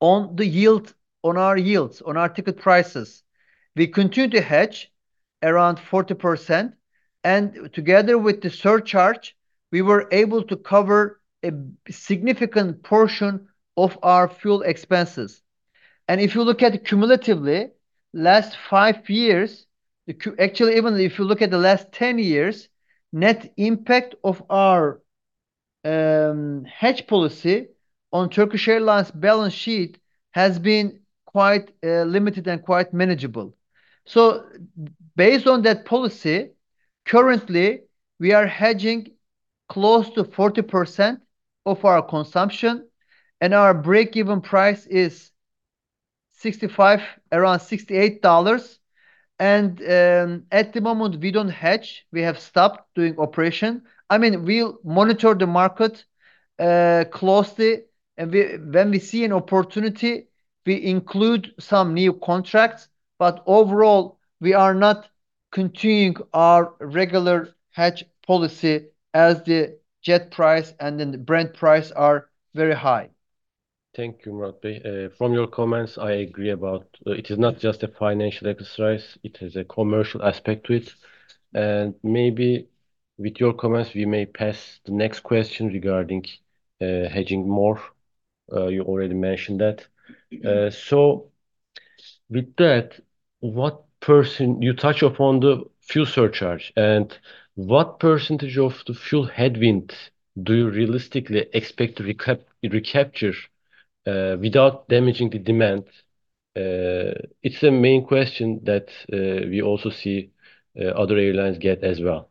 on the yield, on our yields, on our ticket prices. We continued to hedge around 40%, and together with the surcharge, we were able to cover a significant portion of our fuel expenses. If you look at cumulatively, last five years, actually, even if you look at the last 10 years, net impact of our hedge policy on Turkish Airlines' balance sheet has been quite limited and quite manageable. Based on that policy, currently we are hedging close to 40% of our consumption, and our break-even price is $65, around $68. At the moment, we don't hedge. We have stopped doing operation. I mean, we'll monitor the market closely, and when we see an opportunity, we include some new contracts. Overall, we are not continuing our regular hedge policy as the jet price and then the Brent price are very high. Thank you, Murat Bey. From your comments, I agree about, it is not just a financial exercise, it has a commercial aspect to it. Maybe with your comments, we may pass the next question regarding hedging more. You already mentioned that. Yeah. With that, you touch upon the fuel surcharge, and what percentage of the fuel headwind do you realistically expect to recapture, without damaging the demand? It's a main question that, we also see, other airlines get as well.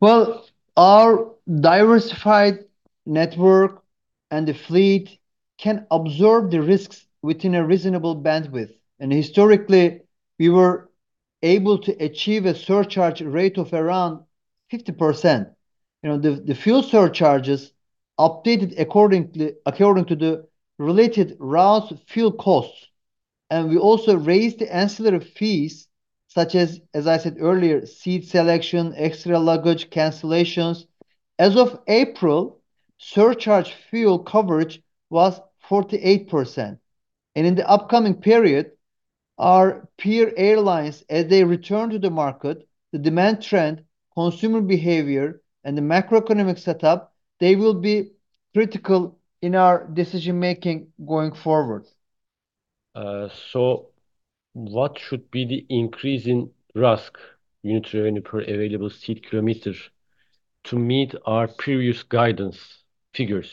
Well, our diversified network and the fleet can absorb the risks within a reasonable bandwidth. Historically, we were able to achieve a surcharge rate of around 50%. You know, the fuel surcharges updated accordingly, according to the related routes fuel costs. We also raised the ancillary fees such as I said earlier, seat selection, extra luggage, cancellations. As of April, surcharge fuel coverage was 48%. In the upcoming period, our peer airlines, as they return to the market, the demand trend, consumer behavior, and the macroeconomic setup, they will be critical in our decision-making going forward. What should be the increase in RASK, unit revenue per available seat kilometer, to meet our previous guidance figures?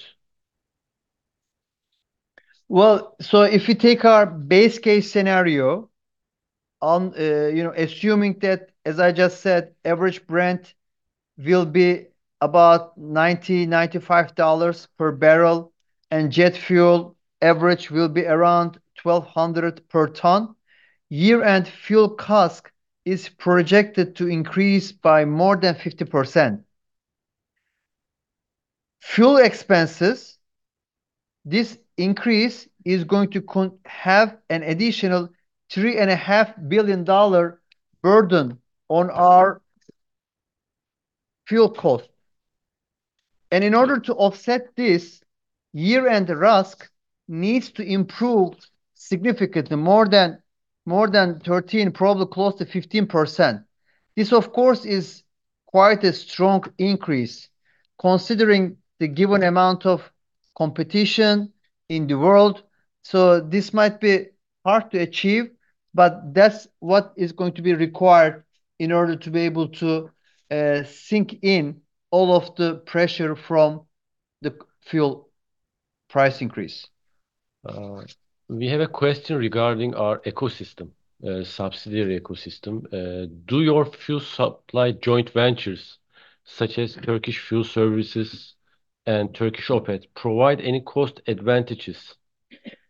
Well, if you take our base case scenario on, you know, assuming that, as I just said, average Brent will be about $90-$95 per barrel, and jet fuel average will be around $1,200 per ton. Year-end fuel CASK is projected to increase by more than 50%. Fuel expenses, this increase is going to have an additional $3.5 billion burden on our fuel cost. In order to offset this, year-end RASK needs to improve significantly more than 13%, probably close to 15%. This, of course, is quite a strong increase considering the given amount of competition in the world. This might be hard to achieve, but that's what is going to be required in order to be able to sink in all of the pressure from the fuel price increase. We have a question regarding our ecosystem, subsidiary ecosystem. Do your fuel supply joint ventures, such as Turkish Fuel Services and THY OPET, provide any cost advantages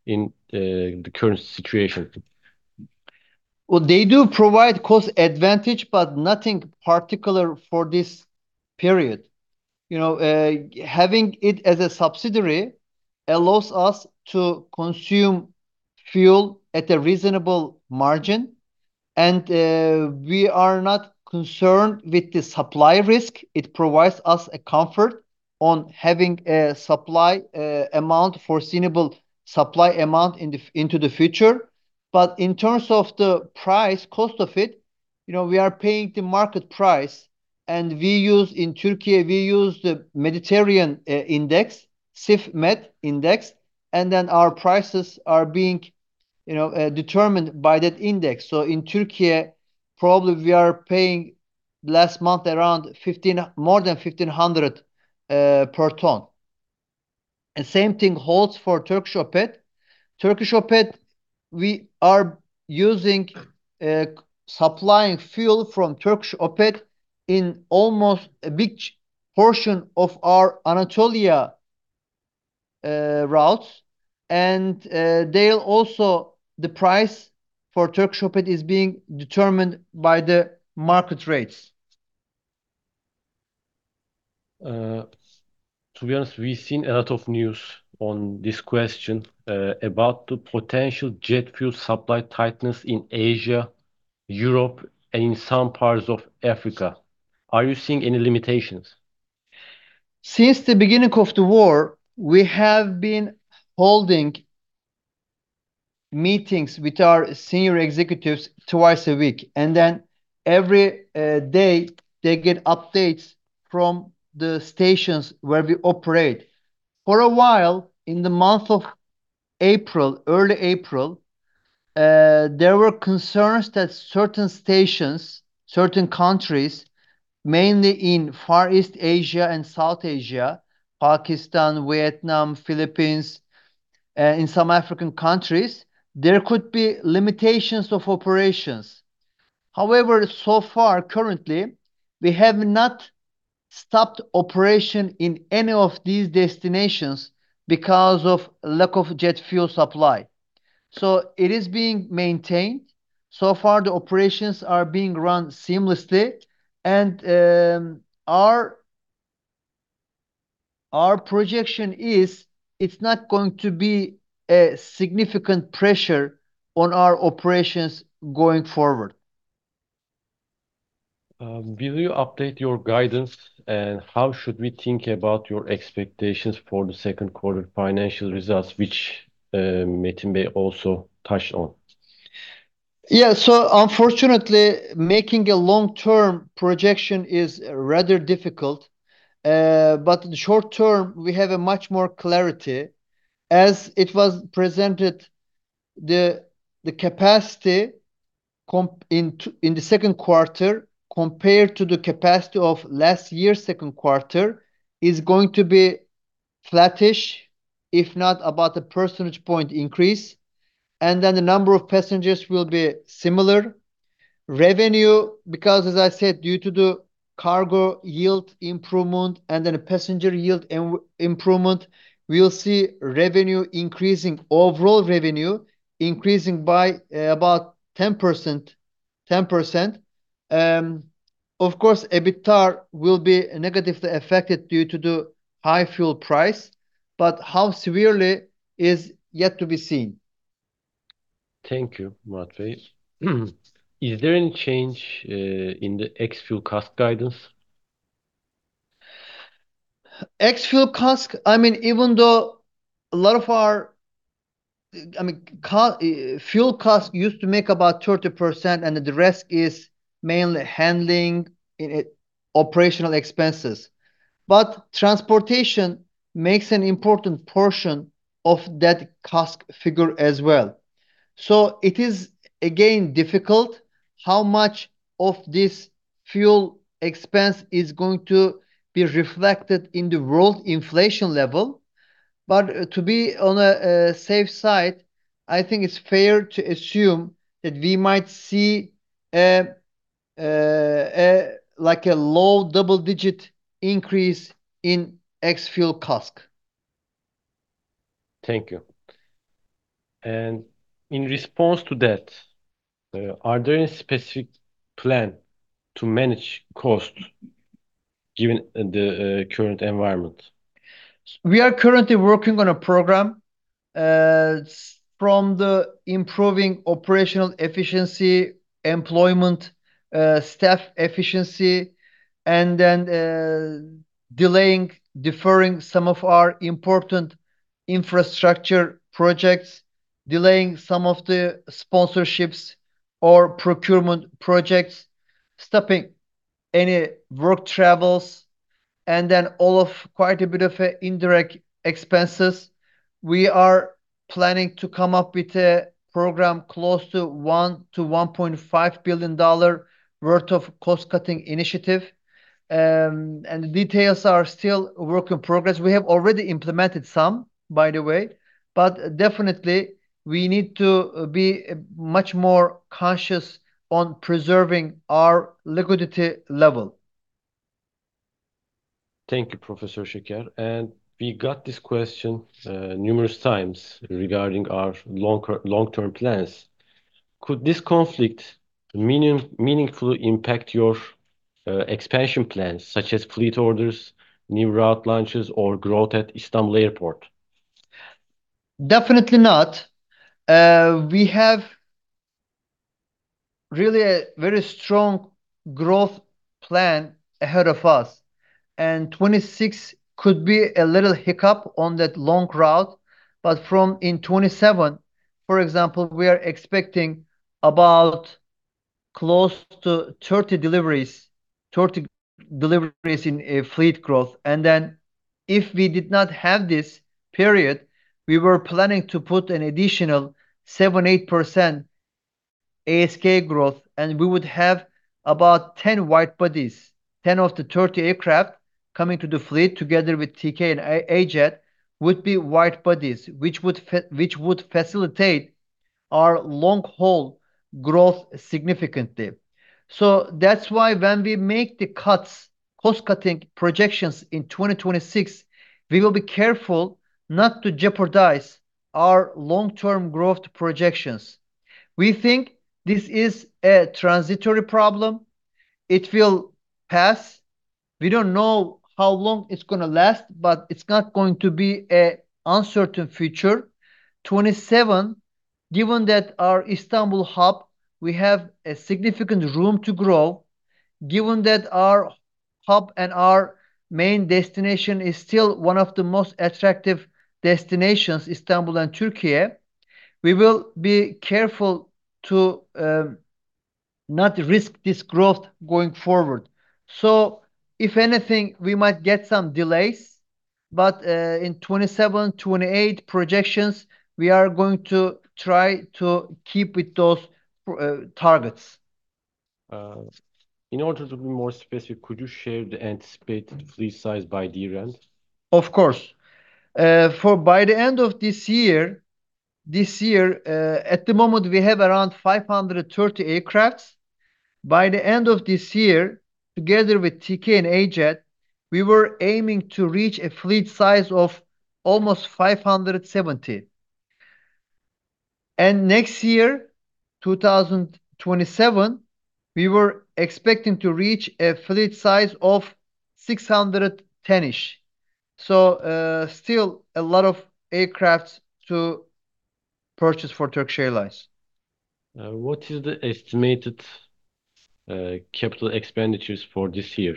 in the current situation? Well, they do provide cost advantage, but nothing particular for this period. You know, having it as a subsidiary allows us to consume fuel at a reasonable margin. We are not concerned with the supply risk. It provides us a comfort on having a supply amount, foreseeable supply amount into the future. In terms of the price, cost of it, you know, we are paying the market price, we use, in Türkiye, we use the Mediterranean index, CIF MED index, our prices are being, you know, determined by that index. In Türkiye, probably we are paying last month around more than 1,500 per ton. Same thing holds for THY OPET. THY OPET, we are using, supplying fuel from THY OPET in almost a big portion of our Anatolia routes. The price for THY OPET is being determined by the market rates. To be honest, we've seen a lot of news on this question about the potential jet fuel supply tightness in Asia, Europe, and in some parts of Africa. Are you seeing any limitations? Since the beginning of the war, we have been holding meetings with our senior executives twice a week, and then every day they get updates from the stations where we operate. For a while, in the month of April, early April, there were concerns that certain stations, certain countries, mainly in Far East Asia and South Asia, Pakistan, Vietnam, Philippines, in some African countries, there could be limitations of operations. However, so far, currently, we have not stopped operation in any of these destinations because of lack of jet fuel supply. It is being maintained. So far, the operations are being run seamlessly, and our projection is it's not going to be a significant pressure on our operations going forward. Will you update your guidance, and how should we think about your expectations for the second quarter financial results, which, Metin Gülşen also touched on? Unfortunately, making a long-term projection is rather difficult. In the short term, we have a much more clarity. As it was presented, the capacity in the second quarter compared to the capacity of last year's second quarter is going to be flattish, if not about 1 percentage point increase, and then the number of passengers will be similar. Revenue, because as I said, due to the cargo yield improvement and then a passenger yield improvement, we will see revenue increasing, overall revenue increasing by about 10%. Of course, EBITDAR will be negatively affected due to the high fuel price, but how severely is yet to be seen. Thank you, Murat Bey. Is there any change in the ex-fuel CASK guidance? Ex-fuel CASK, I mean, even though a lot of our, I mean, fuel CASK used to make about 30%, and the rest is mainly handling and operational expenses, but transportation makes an important portion of that CASK figure as well. It is, again, difficult how much of this fuel expense is going to be reflected in the world inflation level. To be on a safe side, I think it's fair to assume that we might see, like a low double-digit increase in ex-fuel CASK. Thank you. In response to that, are there any specific plans to manage cost given the current environment? We are currently working on a program, from the improving operational efficiency, employment, staff efficiency, then delaying, deferring some of our important infrastructure projects, delaying some of the sponsorships or procurement projects, stopping any work travels, then all of quite a bit of indirect expenses. We are planning to come up with a program close to $1 billion-$1.5 billion worth of cost-cutting initiative. The details are still a work in progress. We have already implemented some, by the way. Definitely, we need to be much more conscious on preserving our liquidity level. Thank you, Professor Şeker. We got this question numerous times regarding our long-term plans. Could this conflict meaningfully impact your expansion plans, such as fleet orders, new route launches, or growth at Istanbul Airport? Definitely not. We have really a very strong growth plan ahead of us. 2026 could be a little hiccup on that long route, but from, in 2027, for example, we are expecting about close to 30 deliveries, 30 deliveries in fleet growth. Then if we did not have this period, we were planning to put an additional 7%-8% ASK growth, and we would have about 10 wide bodies. 10 of the 30 aircraft coming to the fleet together with TK and AJet would be wide bodies, which would facilitate our long-haul growth significantly. That's why when we make the cuts, cost-cutting projections in 2026, we will be careful not to jeopardize our long-term growth projections. We think this is a transitory problem. It will pass. We don't know how long it's going to last, but it's not going to be an uncertain future. 2027, given that our Istanbul hub, we have a significant room to grow. Given that our hub and our main destination is still one of the most attractive destinations, Istanbul and Türkiye, we will be careful to not risk this growth going forward. If anything, we might get some delays, but in 2027, 2028 projections, we are going to try to keep with those targets. In order to be more specific, could you share the anticipated fleet size by the year end? Of course. By the end of this year, at the moment, we have around 530 aircraft. By the end of this year, together with TK and AJet, we were aiming to reach a fleet size of almost 570. Next year, 2027, we were expecting to reach a fleet size of 610-ish. Still a lot of aircraft to purchase for Turkish Airlines. What is the estimated Capital Expenditures for this year?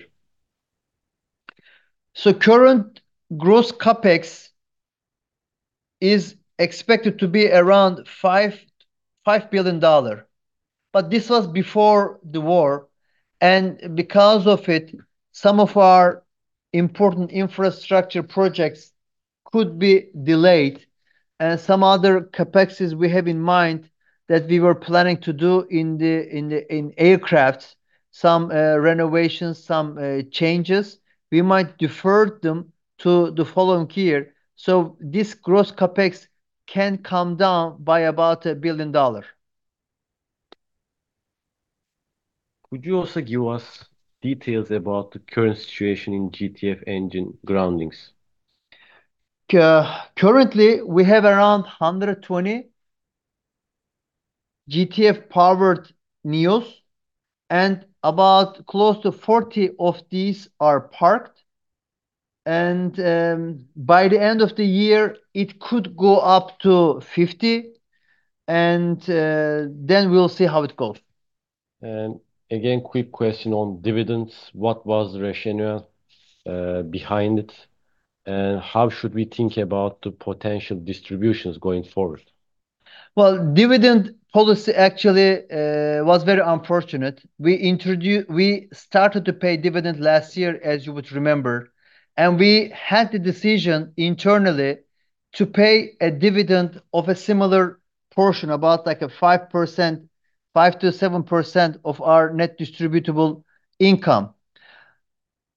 Current gross CapEx is expected to be around $5 billion. This was before the war, and because of it, some of our important infrastructure projects could be delayed. Some other CapExes we have in mind that we were planning to do in the aircraft, some renovations, some changes, we might defer them to the following year. This gross CapEx can come down by about $1 billion. Could you also give us details about the current situation in GTF engine groundings? Currently, we have around 120 GTF-powered NEOs, and about close to 40 of these are parked. By the end of the year, it could go up to 50, and then we'll see how it goes. Again, quick question on dividends. What was the rationale behind it, and how should we think about the potential distributions going forward? Well, dividend policy actually was very unfortunate. We started to pay dividend last year, as you would remember, and we had the decision internally to pay a dividend of a similar portion, about like a 5%, 5%-7% of our net distributable income.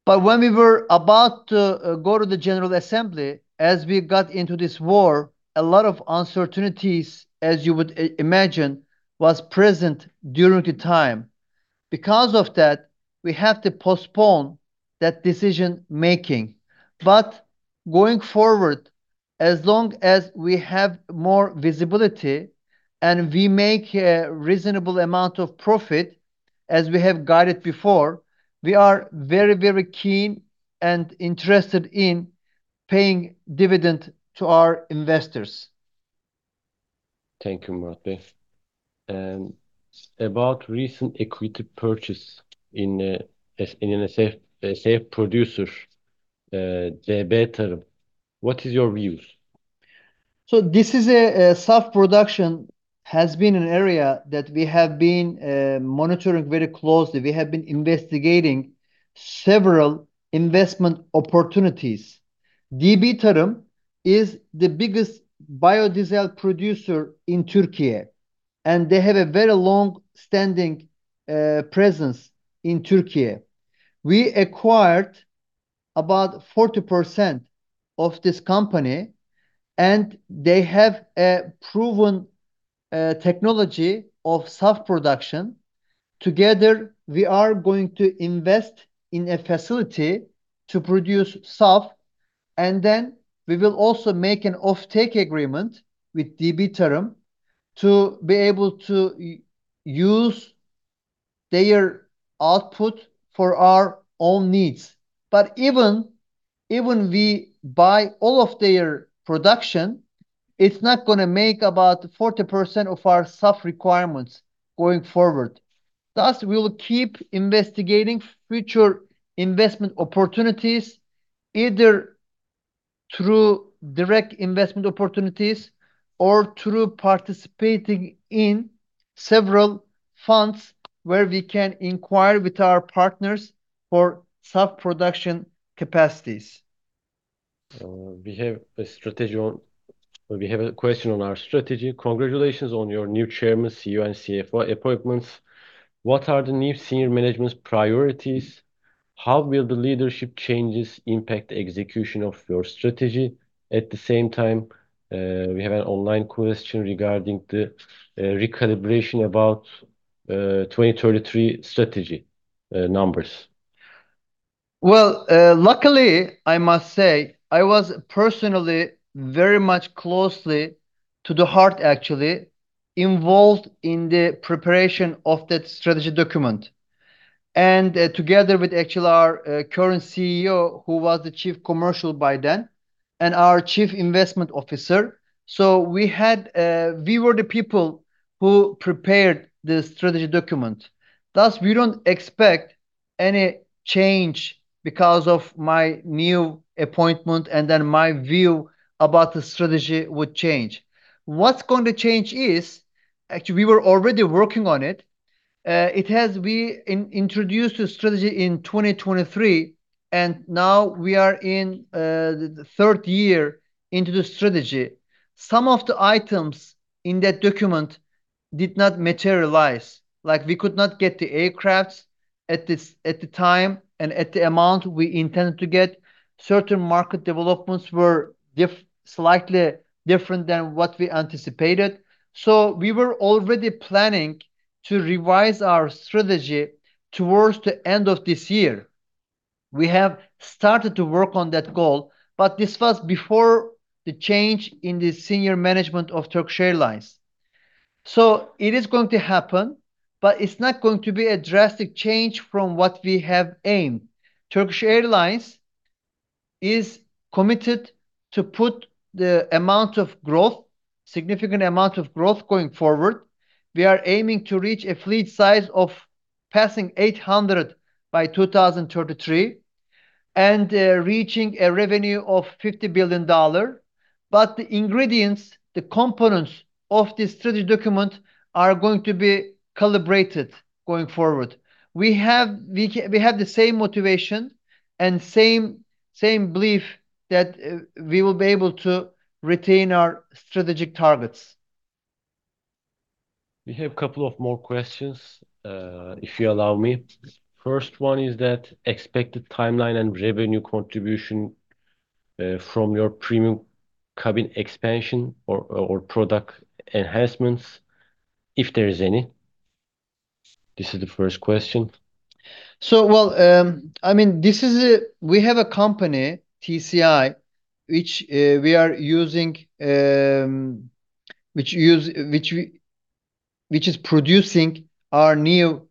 When we were about to go to the general assembly, as we got into this war, a lot of uncertainties, as you would imagine, was present during the time. Because of that, we have to postpone that decision-making. Going forward, as long as we have more visibility and we make a reasonable amount of profit, as we have guided before, we are very, very keen and interested in paying dividend to our investors. Thank you, Murat Bey. About recent equity purchase in an SAF producer, DB Tarımsal, what is your views? SAF production has been an area that we have been monitoring very closely. We have been investigating several investment opportunities. DB Tarım is the biggest biodiesel producer in Türkiye, and they have a very long-standing presence in Türkiye. We acquired about 40% of this company, and they have a proven technology of SAF production. Together, we are going to invest in a facility to produce SAF, and then we will also make an offtake agreement with DB Tarım to be able to use their output for our own needs. Even we buy all of their production, it's not gonna make about 40% of our SAF requirements going forward. Thus, we will keep investigating future investment opportunities, either through direct investment opportunities or through participating in several funds where we can inquire with our partners for SAF production capacities. We have a question on our strategy. Congratulations on your new chairman, CEO, and CFO appointments. What are the new senior management's priorities? How will the leadership changes impact execution of your strategy? At the same time, we have an online question regarding the recalibration about 2033 strategy numbers. Well, luckily, I must say, I was personally very much closely to the heart actually involved in the preparation of that strategy document. Together with actually our current CEO, who was the chief commercial by then, and our chief investment officer. We had, we were the people who prepared the strategy document, thus we don't expect any change because of my new appointment and then my view about the strategy would change. What's going to change is, actually, we were already working on it. We introduced the strategy in 2023, and now we are in the third year into the strategy. Some of the items in that document did not materialize, like we could not get the aircraft at the time and at the amount we intended to get. Certain market developments were slightly different than what we anticipated. We were already planning to revise our strategy towards the end of this year. We have started to work on that goal. This was before the change in the senior management of Turkish Airlines. It is going to happen, but it's not going to be a drastic change from what we have aimed. Turkish Airlines is committed to put the amount of growth, significant amount of growth going forward. We are aiming to reach a fleet size of passing 800 by 2033, reaching a revenue of $50 billion. The ingredients, the components of this strategy document are going to be calibrated going forward. We have the same motivation and same belief that we will be able to retain our strategic targets. We have two more questions, if you allow me. Sure. First one is that expected timeline and revenue contribution from your premium cabin expansion or product enhancements, if there is any. This is the first question. Well, we have a company, TSI Aviation Seats, which we are using, which is producing our new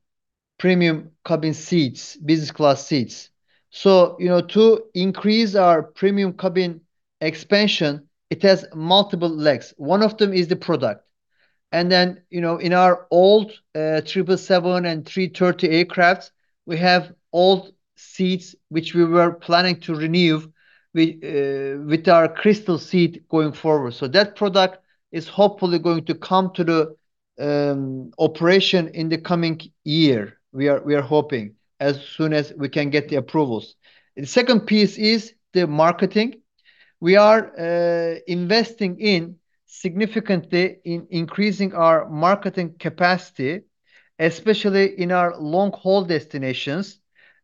premium cabin seats, business class seats. You know, to increase our premium cabin expansion, it has multiple legs. One of them is the product. You know, in our old Boeing 777 and Airbus A330 aircraft, we have old seats which we were planning to renew with our Crystal seat going forward. That product is hopefully going to come to the operation in the coming year. We are hoping as soon as we can get the approvals. The second piece is the marketing. We are investing significantly in increasing our marketing capacity, especially in our long-haul destinations.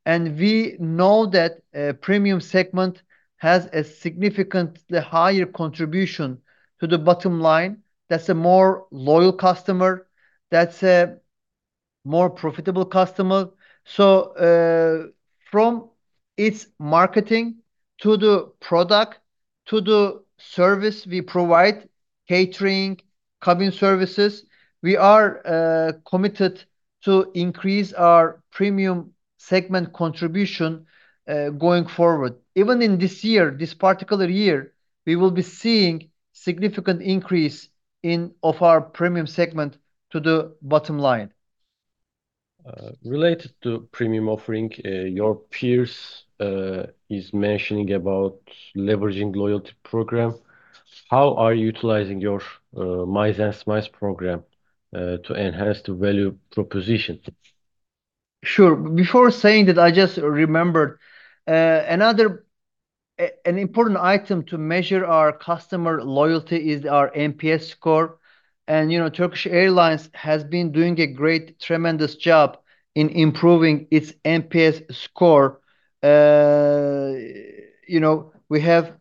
We know that a premium segment has a significantly higher contribution to the bottom line. That's a more loyal customer. That's a more profitable customer. From its marketing to the product to the service we provide, catering, cabin services, we are committed to increase our premium segment contribution going forward. Even in this year, this particular year, we will be seeing significant increase in, of our premium segment to the bottom line. Related to premium offering, your peers are mentioning about leveraging loyalty program. How are you utilizing your Miles&Smiles program to enhance the value proposition? Sure. Before saying that, I just remembered another important item to measure our customer loyalty is our NPS score. You know, Turkish Airlines has been doing a great, tremendous job in improving its NPS score. You know, we have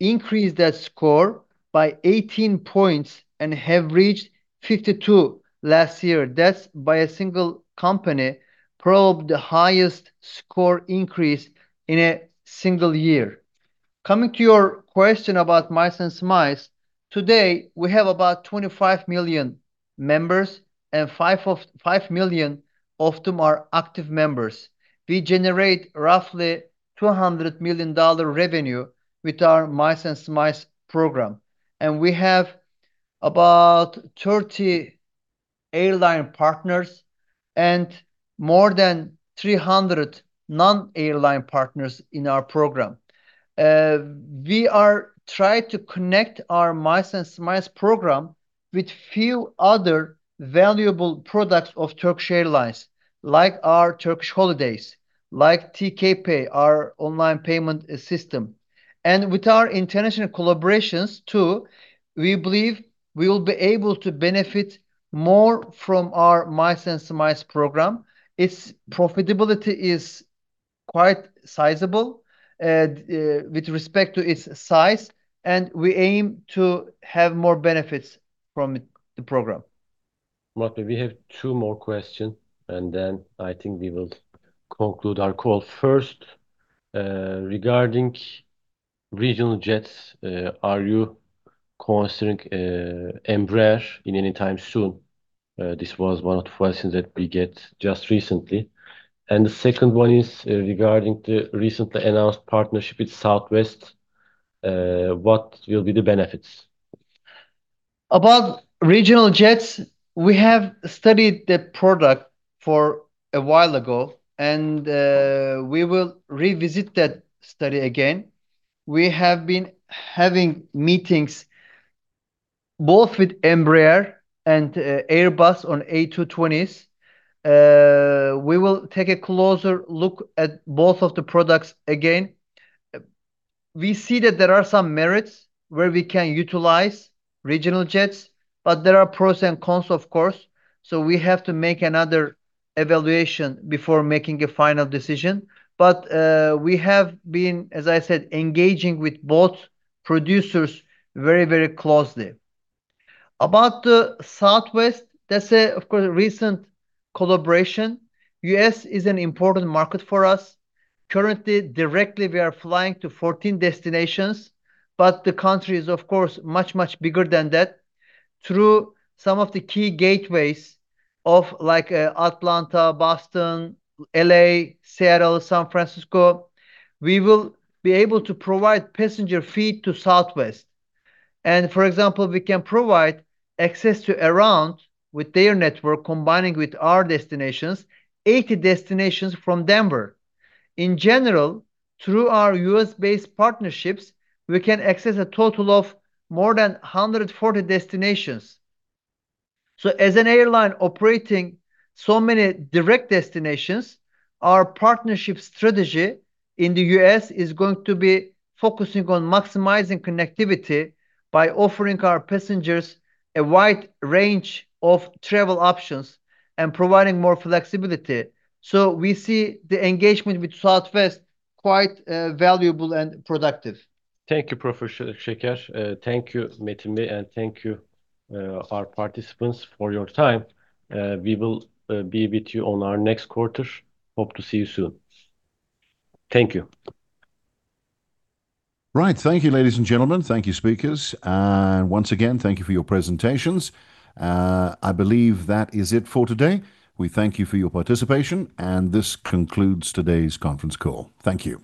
increased that score by 18 points and have reached 52 last year. That's by a single company, probably the highest score increase in a single year. Coming to your question about Miles&Smiles, today, we have about 25 million members, and 5 million of them are active members. We generate roughly $200 million revenue with our Miles&Smiles program, and we have about 30 airline partners and more than 300 non-airline partners in our program. We are trying to connect our Miles&Smiles program with few other valuable products of Turkish Airlines, like our Turkish Holidays, like TKPay, our online payment system. With our international collaborations too, we believe we will be able to benefit more from our Miles&Smiles program. Its profitability is quite sizable with respect to its size, and we aim to have more benefits from the program. Murat, we have two more question, and then I think we will conclude our call. First, regarding regional jets, are you considering Embraer in any time soon? This was one of the questions that we get just recently. The second one is, regarding the recently announced partnership with Southwest, what will be the benefits? About regional jets, we have studied that product for a while ago, we will revisit that study again. We have been having meetings both with Embraer and Airbus on A220s. We will take a closer look at both of the products again. We see that there are some merits where we can utilize regional jets, there are pros and cons, of course. We have to make another evaluation before making a final decision. We have been, as I said, engaging with both producers very, very closely. About the Southwest, that's a, of course, recent collaboration. U.S. is an important market for us. Currently, directly we are flying to 14 destinations, the country is of course, much, much bigger than that. Through some of the key gateways of like, Atlanta, Boston, L.A., Seattle, San Francisco, we will be able to provide passenger feed to Southwest. For example, we can provide access to around, with their network combining with our destinations, 80 destinations from Denver. In general, through our U.S.-based partnerships, we can access a total of more than 140 destinations. As an airline operating so many direct destinations, our partnership strategy in the U.S. is going to be focusing on maximizing connectivity by offering our passengers a wide range of travel options and providing more flexibility. We see the engagement with Southwest quite valuable and productive. Thank you, Professor Şeker. Thank you, Metin Gülşen, and thank you, our participants for your time. We will be with you on our next quarter. Hope to see you soon. Thank you. Right. Thank you, ladies and gentlemen. Thank you, speakers. Once again, thank you for your presentations. I believe that is it for today. We thank you for your participation, and this concludes today's conference call. Thank you